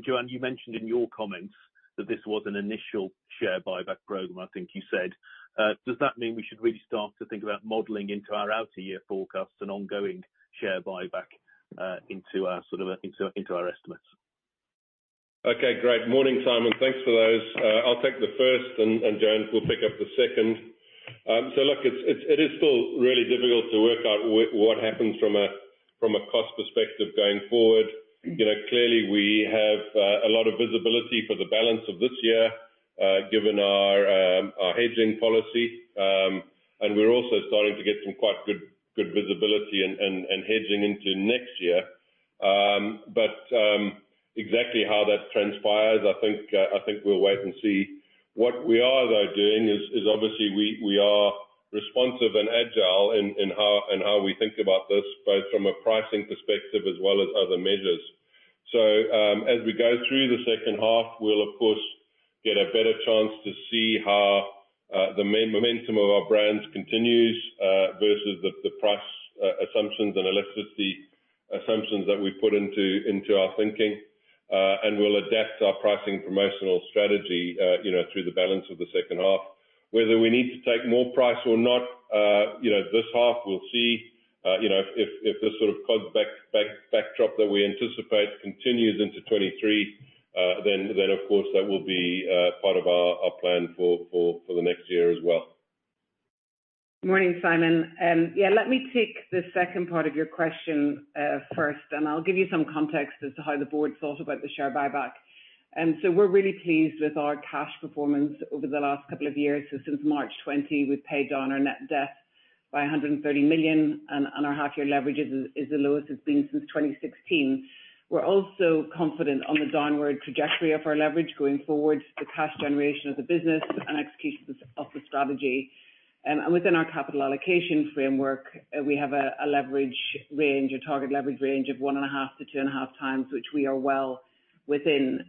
Joanne, you mentioned in your comments that this was an initial share buyback program, I think you said. Does that mean we should really start to think about modeling into our outer year forecasts and ongoing share buyback into our estimates? Okay. Great. Morning, Simon. Thanks for those. I'll take the first and Joanne will pick up the second. Look, it is still really difficult to work out what happens from a cost perspective going forward. You know, clearly we have a lot of visibility for the balance of this year given our hedging policy. We're also starting to get some quite good visibility and hedging into next year. Exactly how that transpires, I think we'll wait and see. What we are though doing is obviously we are responsive and agile in how we think about this, both from a pricing perspective as well as other measures. As we go through the second half, we'll of course get a better chance to see how the momentum of our brands continues versus the price assumptions and electricity assumptions that we put into our thinking, and we'll adapt our pricing promotional strategy, you know, through the balance of the second half. Whether we need to take more price or not, you know, this half we'll see. If this sort of COGS backdrop that we anticipate continues into 2023, then of course that will be part of our plan for the next year as well. Morning, Simon. Yeah, let me take the second part of your question first, and I'll give you some context as to how the board thought about the share buyback. We're really pleased with our cash performance over the last couple of years. Since March 2020, we've paid down our net debt by 130 million, and our half year leverage is the lowest it's been since 2016. We're also confident on the downward trajectory of our leverage going forward, the cash generation of the business and execution of the strategy. Within our capital allocation framework, we have a leverage range, a target leverage range of 1.5-2.5x, which we are well within.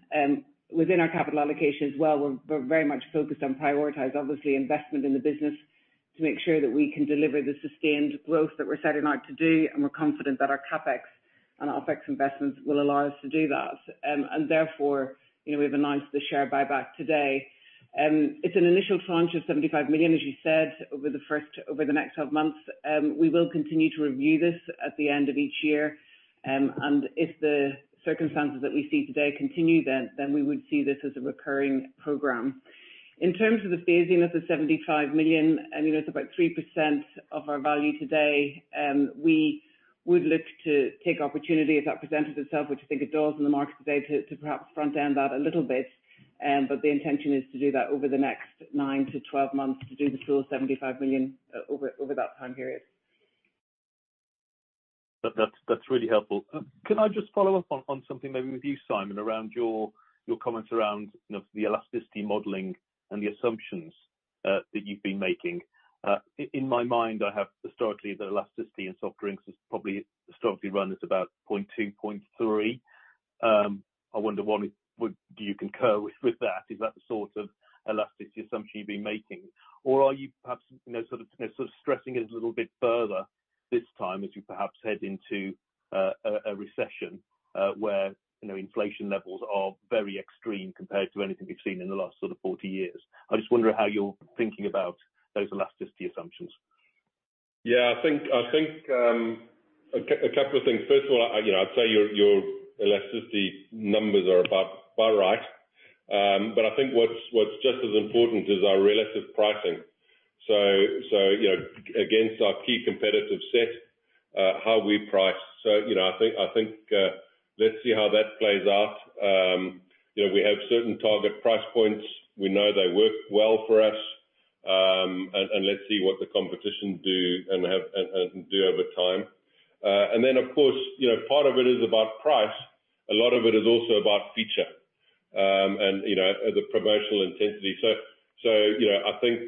Within our capital allocation as well, we're very much focused on prioritize, obviously, investment in the business to make sure that we can deliver the sustained growth that we're setting out to do. We're confident that our CapEx and OpEx investments will allow us to do that. Therefore, you know, we've announced the share buyback today. It's an initial tranche of 75 million, as you said, over the next 12 months. We will continue to review this at the end of each year. If the circumstances that we see today continue then, we would see this as a recurring program. In terms of the phasing of the 75 million, I mean, it's about 3% of our value today. We would look to take opportunity as that presented itself, which I think it does in the market today, to perhaps front-end that a little bit. The intention is to do that over the next nine-12 months to do the full 75 million over that time period. That's really helpful. Can I just follow up on something maybe with you, Simon, around your comments around, you know, the elasticity modeling and the assumptions that you've been making. In my mind, historically, the elasticity in soft drinks is probably historically run as about 0.2, 0.3. I wonder, one, would you concur with that? Is that the sort of elasticity assumption you've been making? Or are you perhaps, you know, sort of stressing it a little bit further this time as you perhaps head into a recession, where, you know, inflation levels are very extreme compared to anything we've seen in the last sort of 40 years? I'm just wondering how you're thinking about those elasticity assumptions. I think a couple of things. First of all, you know, I'd say your elasticity numbers are about right. I think what's just as important is our relative pricing. You know, against our key competitive set, how we price. I think let's see how that plays out. You know, we have certain target price points. We know they work well for us. Let's see what the competition do over time. Of course, you know, part of it is about price. A lot of it is also about feature and, you know, the promotional intensity. I think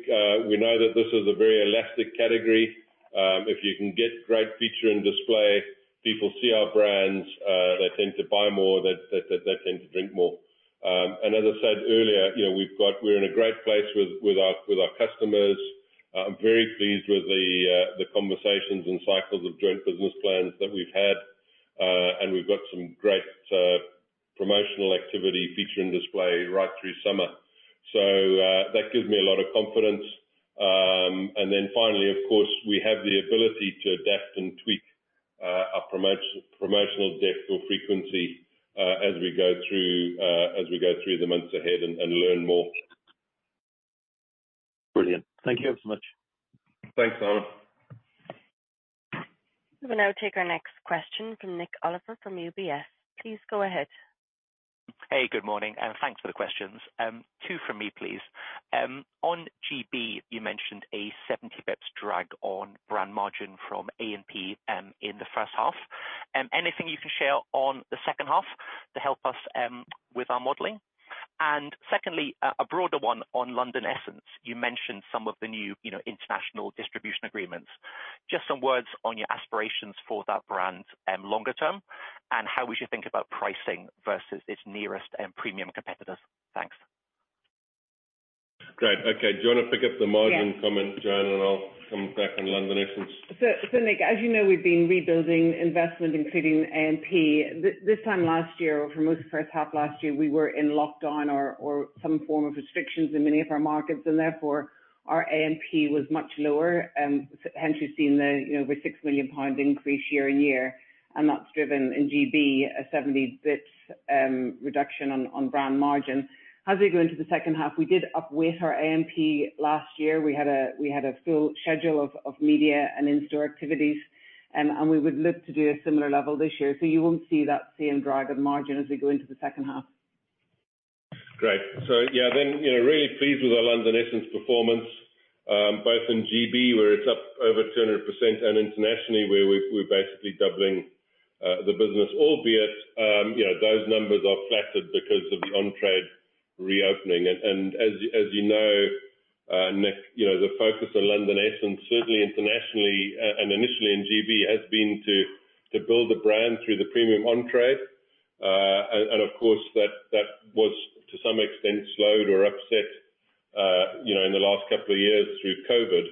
we know that this is a very elastic category. If you can get great feature and display, people see our brands, they tend to buy more, they tend to drink more. As I said earlier, you know, we're in a great place with our customers. I'm very pleased with the conversations and cycles of joint business plans that we've had. We've got some great promotional activity feature and display right through summer. That gives me a lot of confidence. Then finally, of course, we have the ability to adapt and tweak our promotional depth or frequency as we go through the months ahead and learn more. Brilliant. Thank you ever so much. Thanks, Simon. We'll now take our next question from Nik Oliver from UBS. Please go ahead. Hey, good morning, and thanks for the questions. Two from me, please. On GB, you mentioned a 70 BPS drag on brand margin from A&P in the first half. Anything you can share on the second half to help us with our modeling? Secondly, a broader one on London Essence. You mentioned some of the new, you know, international distribution agreements. Just some words on your aspirations for that brand longer term, and how we should think about pricing versus its nearest and premium competitors. Thanks. Great. Okay. Do you want to pick up the margin comment, Joanne, and I'll come back on London Essence. Nik Oliver, as you know, we've been rebuilding investment, including A&P. This time last year, for most of the first half last year, we were in lockdown or some form of restrictions in many of our markets. Therefore, our A&P was much lower. Hence you're seeing the over 6 million pound increase year-on-year, and that's driven in GB a 70 basis points reduction on brand margin. As we go into the second half, we did upweight our A&P last year. We had a full schedule of media and in-store activities. We would look to do a similar level this year. You won't see that same drag of margin as we go into the second half. Great. Yeah, you know, really pleased with our London Essence performance, both in GB, where it's up over 200%, and internationally, where we're basically doubling the business, albeit, you know, those numbers are flattered because of the on-trade reopening. As you know, Nik, you know, the focus on London Essence, certainly internationally, and initially in GB, has been to build the brand through the premium on-trade. Of course that was to some extent slowed or upset, you know, in the last couple of years through COVID.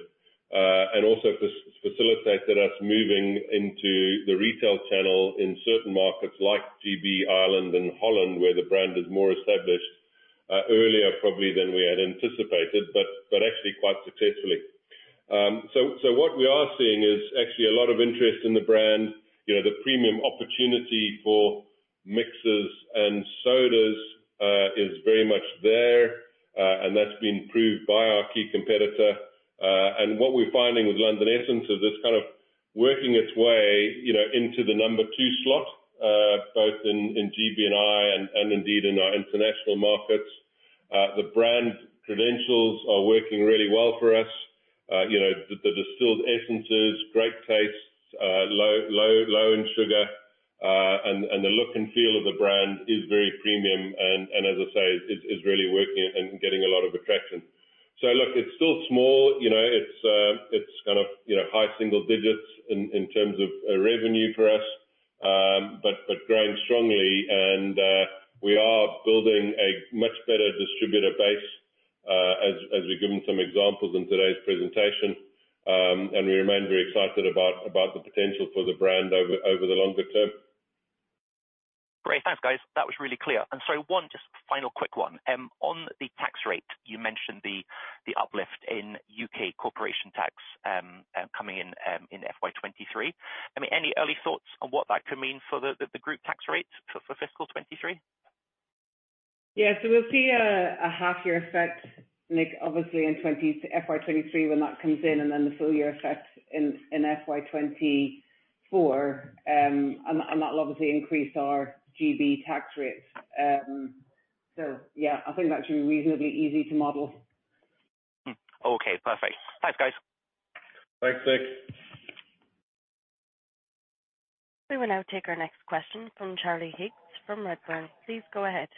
Also facilitated us moving into the retail channel in certain markets like GB, Ireland, and Holland, where the brand is more established, earlier probably than we had anticipated, but actually quite successfully. What we are seeing is actually a lot of interest in the brand. You know, the premium opportunity for mixers and sodas is very much there, and that's been proved by our key competitor. What we're finding with London Essence is it's kind of working its way, you know, into the number two slot, both in GB and Ireland and indeed in our international markets. The brand credentials are working really well for us. You know, the distilled essences, great taste, low in sugar. The look and feel of the brand is very premium and, as I say, is really working and getting a lot of attraction. Look, it's still small, you know. It's kind of, you know, high single digits in terms of revenue for us. Growing strongly and we are building a much better distributor base, as we've given some examples in today's presentation. We remain very excited about the potential for the brand over the longer term. Great. Thanks, guys. That was really clear. One just final quick one. On the tax rate, you mentioned the uplift in U.K. corporation tax coming in in FY 2023. I mean, any early thoughts on what that could mean for the group tax rate for fiscal 2023? We'll see a half year effect, Nick, obviously in FY 2023 when that comes in, and then the full year effect in FY 2024. That will obviously increase our GB tax rate. Yeah, I think that should be reasonably easy to model. Okay, perfect. Thanks, guys. Thanks, Nick. We will now take our next question from Charlie Higgs from Redburn. Please go ahead.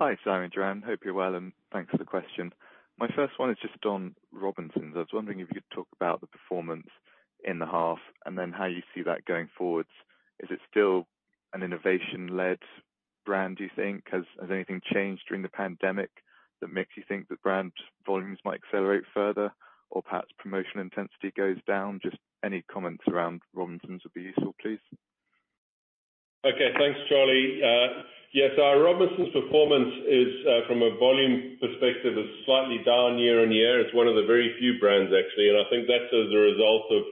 Hi, Simon and Joanne. Hope you're well, and thanks for the question. My first one is just on Robinsons. I was wondering if you could talk about the performance in the half and then how you see that going forwards. Is it still an innovation-led brand, do you think? Has anything changed during the pandemic that makes you think the brand volumes might accelerate further or perhaps promotional intensity goes down? Just any comments around Robinsons would be useful, please. Okay. Thanks, Charlie. Yes. Our Robinsons performance is from a volume perspective slightly down year-on-year. It's one of the very few brands actually, and I think that's as a result of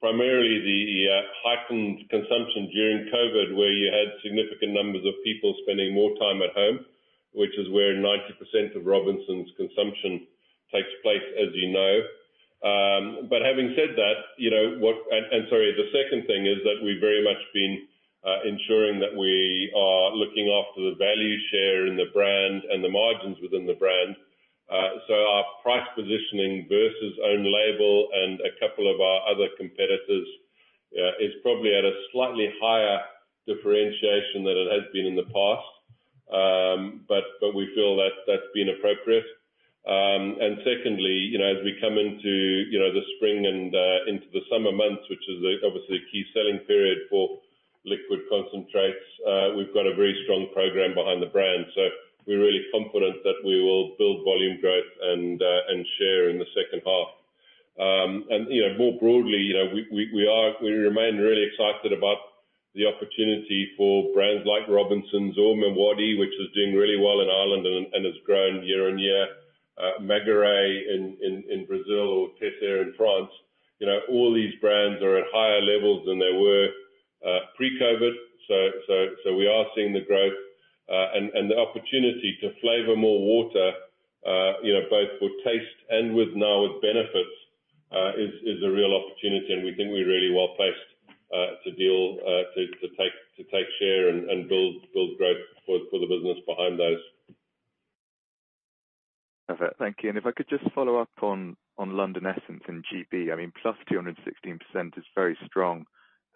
primarily the heightened consumption during COVID, where you had significant numbers of people spending more time at home, which is where 90% of Robinsons consumption takes place, as you know. But having said that, you know, sorry, the second thing is that we've very much been ensuring that we are looking after the value share in the brand and the margins within the brand. Our price positioning versus own label and a couple of our other competitors is probably at a slightly higher differentiation than it has been in the past. We feel that's been appropriate. Secondly, you know, as we come into, you know, the spring and into the summer months, which is obviously a key selling period for liquid concentrates, we've got a very strong program behind the brand. We're really confident that we will build volume growth and share in the second half. You know, more broadly, you know, we remain really excited about the opportunity for brands like Robinsons or MiWadi, which is doing really well in Ireland and has grown year on year. Maguary in Brazil or Teisseire in France. You know, all these brands are at higher levels than they were pre-COVID. We are seeing the growth and the opportunity to flavor more water, you know, both with taste and now with benefits, is a real opportunity. We think we're really well-placed to take share and build growth for the business behind those. Perfect. Thank you. If I could just follow up on London Essence in GB. I mean, +216% is very strong,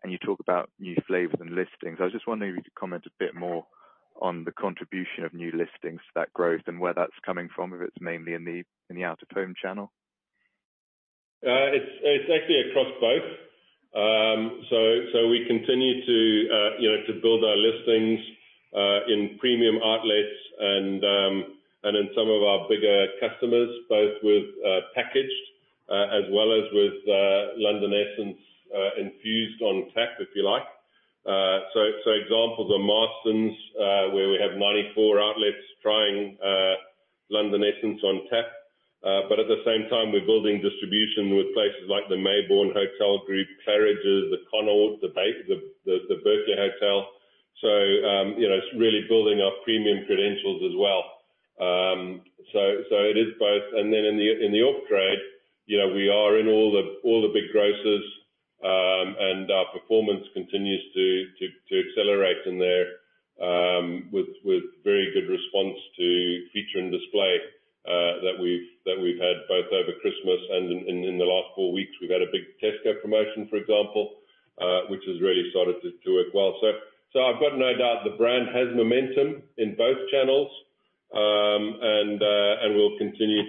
and you talk about new flavors and listings. I was just wondering if you could comment a bit more on the contribution of new listings to that growth and where that's coming from, if it's mainly in the out of home channel? It's actually across both. We continue to you know to build our listings in premium outlets and in some of our bigger customers, both with packaged as well as with London Essence infused on tap, if you like. Examples are Marston's where we have 94 outlets trying London Essence on tap. At the same time, we're building distribution with places like the Maybourne Hotel Group, Claridge's, the Connaught, The Berkeley. You know, it's really building our premium credentials as well. It is both. In the off-trade, you know, we are in all the big grocers, and our performance continues to accelerate in there, with very good response to feature and display, that we've had both over Christmas and in the last four weeks. We've had a big Tesco promotion, for example, which has really started to work well. I've got no doubt the brand has momentum in both channels, and we'll continue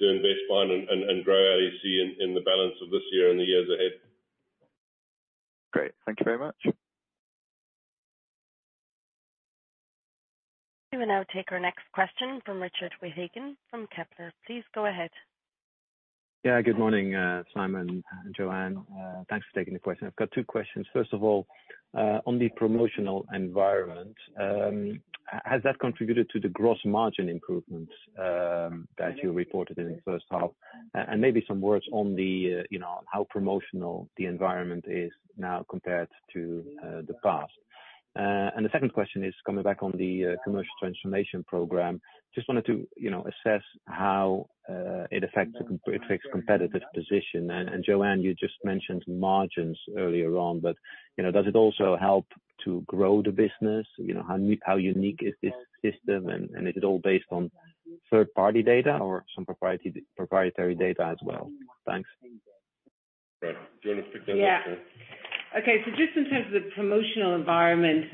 to invest behind and grow as you see in the balance of this year and the years ahead. Great. Thank you very much. We will now take our next question from Richard Withagen from Kepler. Please go ahead. Yeah, good morning, Simon and Joanne. Thanks for taking the question. I've got two questions. First of all, on the promotional environment, has that contributed to the gross margin improvements that you reported in the first half? And maybe some words on the, you know, how promotional the environment is now compared to the past. And the second question is coming back on the commercial transformation program, just wanted to, you know, assess how it affects competitive position. And Joanne, you just mentioned margins earlier on, but, you know, does it also help to grow the business? You know, how unique is this system, and is it all based on third-party data or some proprietary data as well? Thanks. Right. Do you want to pick that up, Joanne? Yeah. Okay. Just in terms of the promotional environment,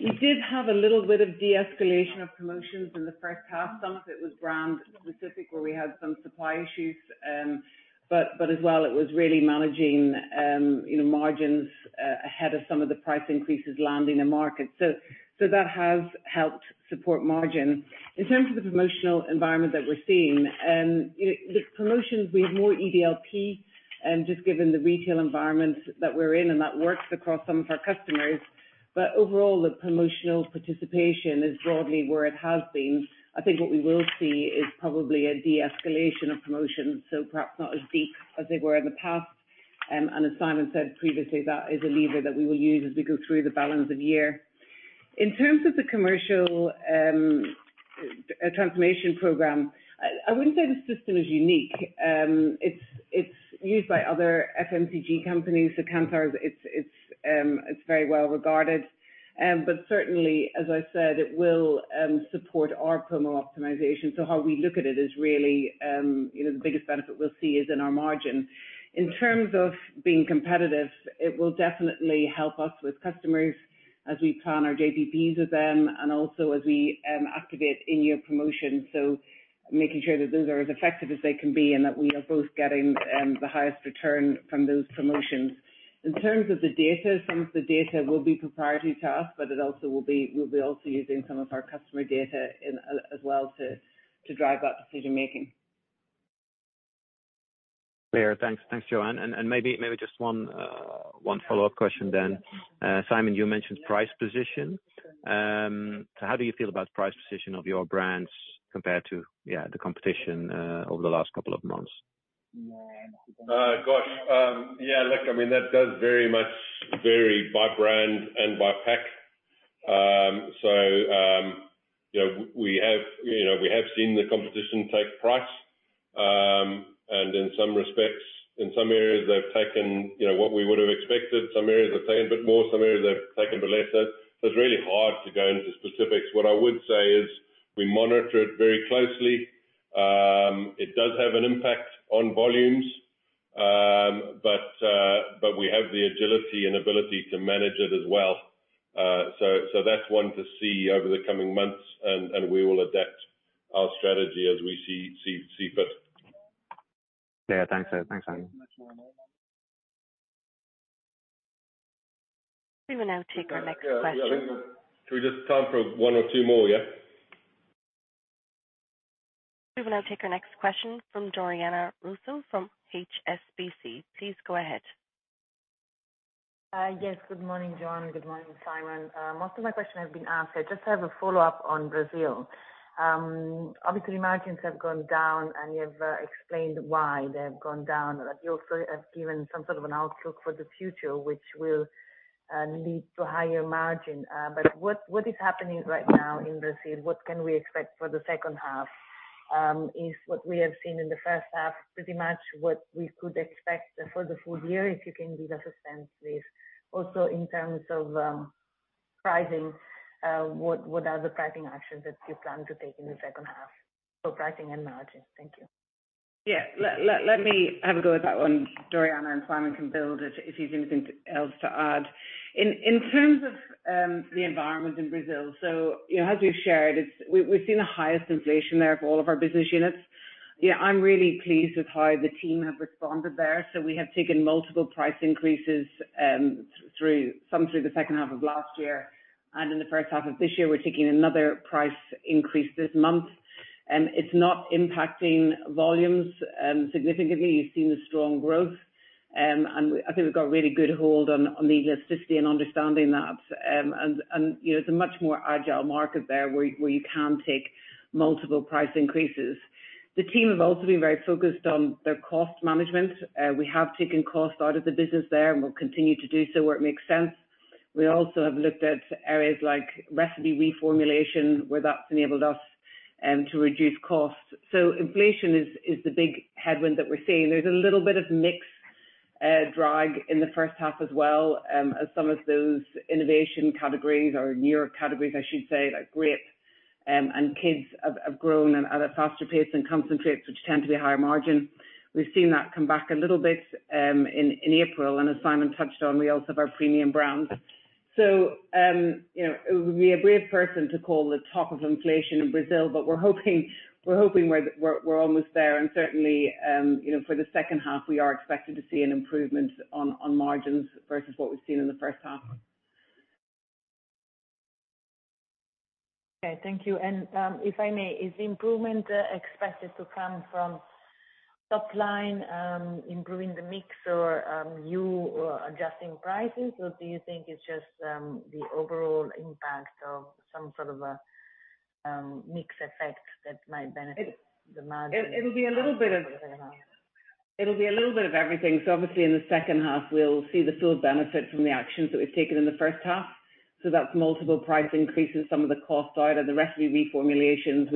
we did have a little bit of de-escalation of promotions in the first half. Some of it was brand-specific, where we had some supply issues. As well, it was really managing, you know, margins ahead of some of the price increases landing in the market. That has helped support margin. In terms of the promotional environment that we're seeing, you know, the promotions, we have more EDLP just given the retail environment that we're in, and that works across some of our customers. Overall, the promotional participation is broadly where it has been. I think what we will see is probably a de-escalation of promotions, so perhaps not as deep as they were in the past. As Simon said previously, that is a lever that we will use as we go through the balance of the year. In terms of the commercial transformation program, I wouldn't say the system is unique. It's used by other FMCG companies. Kantar, it's very well regarded. Certainly, as I said, it will support our promo optimization. How we look at it is really, you know, the biggest benefit we'll see is in our margin. In terms of being competitive, it will definitely help us with customers as we plan our JBPs with them and also as we activate in-year promotions. Making sure that those are as effective as they can be and that we are both getting the highest return from those promotions. In terms of the data, some of the data will be proprietary to us, but it also will be. We'll be also using some of our customer data as well to drive that decision making. Clear. Thanks. Thanks, Joanne. Maybe just one follow-up question then. Simon, you mentioned price position. So how do you feel about price position of your brands compared to, yeah, the competition, over the last couple of months? Yeah, look, I mean, that does very much vary by brand and by pack. You know, we have seen the competition take price. In some respects, in some areas, they've taken what we would have expected. Some areas they've taken a bit more, some areas they've taken a bit less. It's really hard to go into specifics. What I would say is we monitor it very closely. It does have an impact on volumes. But we have the agility and ability to manage it as well. That's one to see over the coming months, and we will adapt our strategy as we see fit. Yeah. Thanks. Thanks, Simon. We will now take our next question. Yeah. I think we have just time for one or two more, yeah. We will now take our next question from Doriana Russo from HSBC. Please go ahead. Yes. Good morning, Joanne. Good morning, Simon. Most of my questions have been asked. I just have a follow-up on Brazil. Obviously margins have gone down, and you've explained why they have gone down. You also have given some sort of an outlook for the future, which will lead to higher margin. What is happening right now in Brazil? What can we expect for the second half? Is what we have seen in the first half pretty much what we could expect for the full year? If you can give us a sense, please. Also, in terms of pricing, what are the pricing actions that you plan to take in the second half for pricing and margins? Thank you. Let me have a go at that one, Doriana, and Simon can build it if he's anything else to add. In terms of the environment in Brazil, you know, as we've shared, we've seen the highest inflation there of all of our business units. Yeah, I'm really pleased with how the team have responded there. We have taken multiple price increases, some through the second half of last year, and in the first half of this year, we're taking another price increase this month. It's not impacting volumes significantly. You've seen the strong growth. I think we've got a really good hold on the elasticity and understanding that. You know, it's a much more agile market there where you can take multiple price increases. The team have also been very focused on their cost management. We have taken cost out of the business there, and we'll continue to do so where it makes sense. We also have looked at areas like recipe reformulation, where that's enabled us to reduce costs. Inflation is the big headwind that we're seeing. There's a little bit of mix drag in the first half as well, as some of those innovation categories or newer categories, I should say, like grape and kids have grown at a faster pace than concentrates, which tend to be higher margin. We've seen that come back a little bit in April, and as Simon touched on, we also have our premium brands. You know, it would be a brave person to call the top of inflation in Brazil, but we're hoping we're almost there. Certainly, you know, for the second half, we are expecting to see an improvement on margins versus what we've seen in the first half. Okay. Thank you. If I may, is the improvement expected to come from top line improving the mix or you adjusting prices? Or do you think it's just the overall impact of some sort of a mix effect that might benefit the margin? It'll be a little bit of everything. Obviously in the second half we'll see the full benefit from the actions that we've taken in the first half. That's multiple price increases, some of the cost side or the recipe reformulations.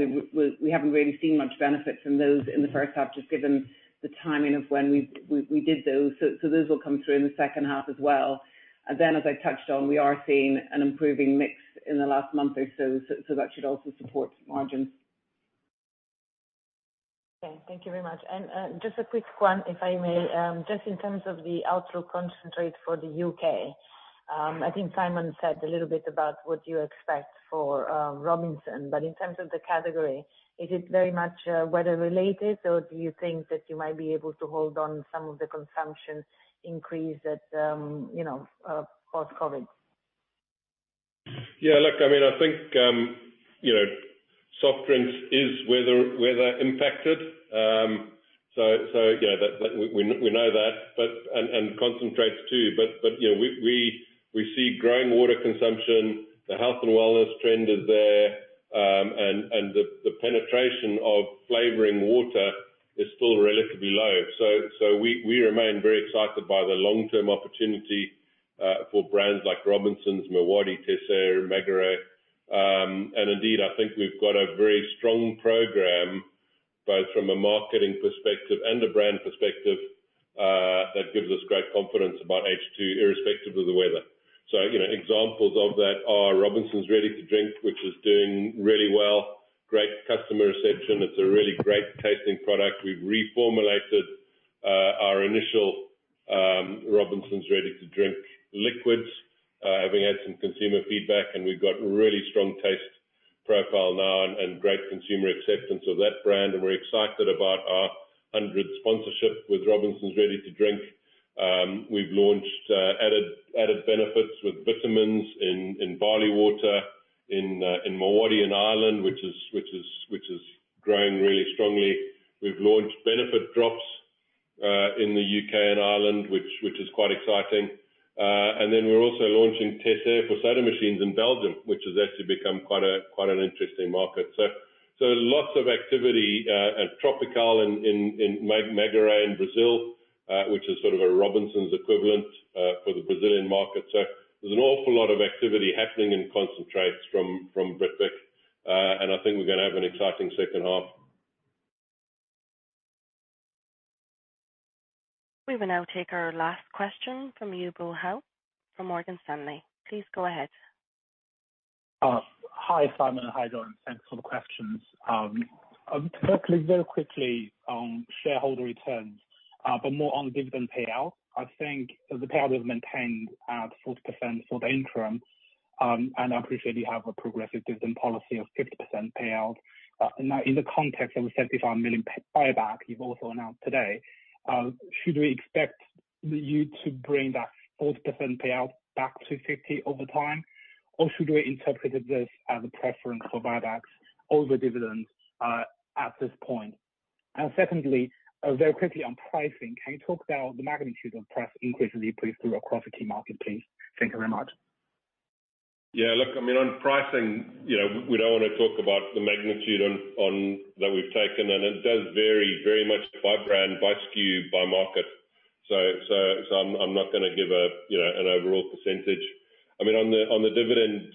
We haven't really seen much benefit from those in the first half, just given the timing of when we did those. Those will come through in the second half as well. Then as I touched on, we are seeing an improving mix in the last month or so that should also support margins. Okay, thank you very much. Just a quick one, if I may. Just in terms of the outlook for concentrate for the UK. I think Simon said a little bit about what you expect for Robinsons. In terms of the category, is it very much weather-related, or do you think that you might be able to hold on some of the consumption increase that you know post-COVID? Yeah. Look, I mean, I think you know soft drinks is weather impacted. You know that we know that but and concentrates too. You know we see growing water consumption. The health and wellness trend is there. The penetration of flavoring water is still relatively low. We remain very excited by the long-term opportunity for brands like Robinsons, MiWadi, Teisseire, Maguary. Indeed, I think we've got a very strong program both from a marketing perspective and a brand perspective that gives us great confidence about H2 irrespective of the weather. You know examples of that are Robinsons Ready to Drink which is doing really well. Great customer reception. It's a really great tasting product. We've reformulated our initial Robinsons Ready to Drink liquids, having had some consumer feedback, and we've got really strong taste profile now and great consumer acceptance of that brand. We're excited about our Hundred sponsorship with Robinsons Ready to Drink. We've launched added benefits with vitamins in Ballygowan, in MiWadi in Ireland, which is growing really strongly. We've launched Benefit Drops in the UK and Ireland, which is quite exciting. We're also launching Teisseire for soda machines in Belgium, which has actually become quite an interesting market. Lots of activity in Maguary in Brazil, which is sort of a Robinsons equivalent for the Brazilian market. There's an awful lot of activity happening in concentrates from Britvic, and I think we're gonna have an exciting second half. We will now take our last question from Yubo Hao from Morgan Stanley. Please go ahead. Hi, Simon. Hi, Joanne. Thanks for the questions. Firstly, very quickly on shareholder returns, but more on dividend payout. I think the payout we've maintained at 40% for the interim, and I appreciate you have a progressive dividend policy of 50% payout. Now, in the context of the 75 million p.a. buyback you've also announced today, should we expect you to bring that 40% payout back to 50% over time, or should we interpret this as a preference for buybacks over dividends at this point? Secondly, very quickly on pricing, can you talk about the magnitude of price increases you put through across the key market, please? Thank you very much. Yeah, look, I mean, on pricing, you know, we don't wanna talk about the magnitude on that we've taken, and it does vary very much by brand, by SKU, by market. I'm not gonna give a, you know, an overall percentage. I mean, on the dividend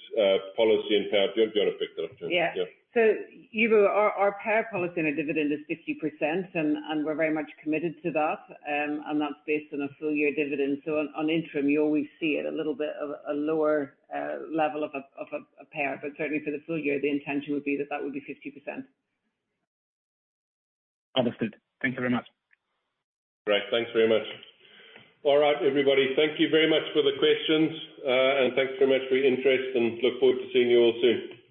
policy and payout, do you want to pick that up, Joanne? Yeah. Yeah. Yubo Hao, our payout policy on a dividend is 50%, and we're very much committed to that. That's based on a full year dividend. On interim, you always see it a little bit of a lower level of a payout. Certainly for the full year, the intention would be that that would be 50%. Understood. Thank you very much. Great. Thanks very much. All right, everybody, thank you very much for the questions, and thanks so much for your interest and look forward to seeing you all soon.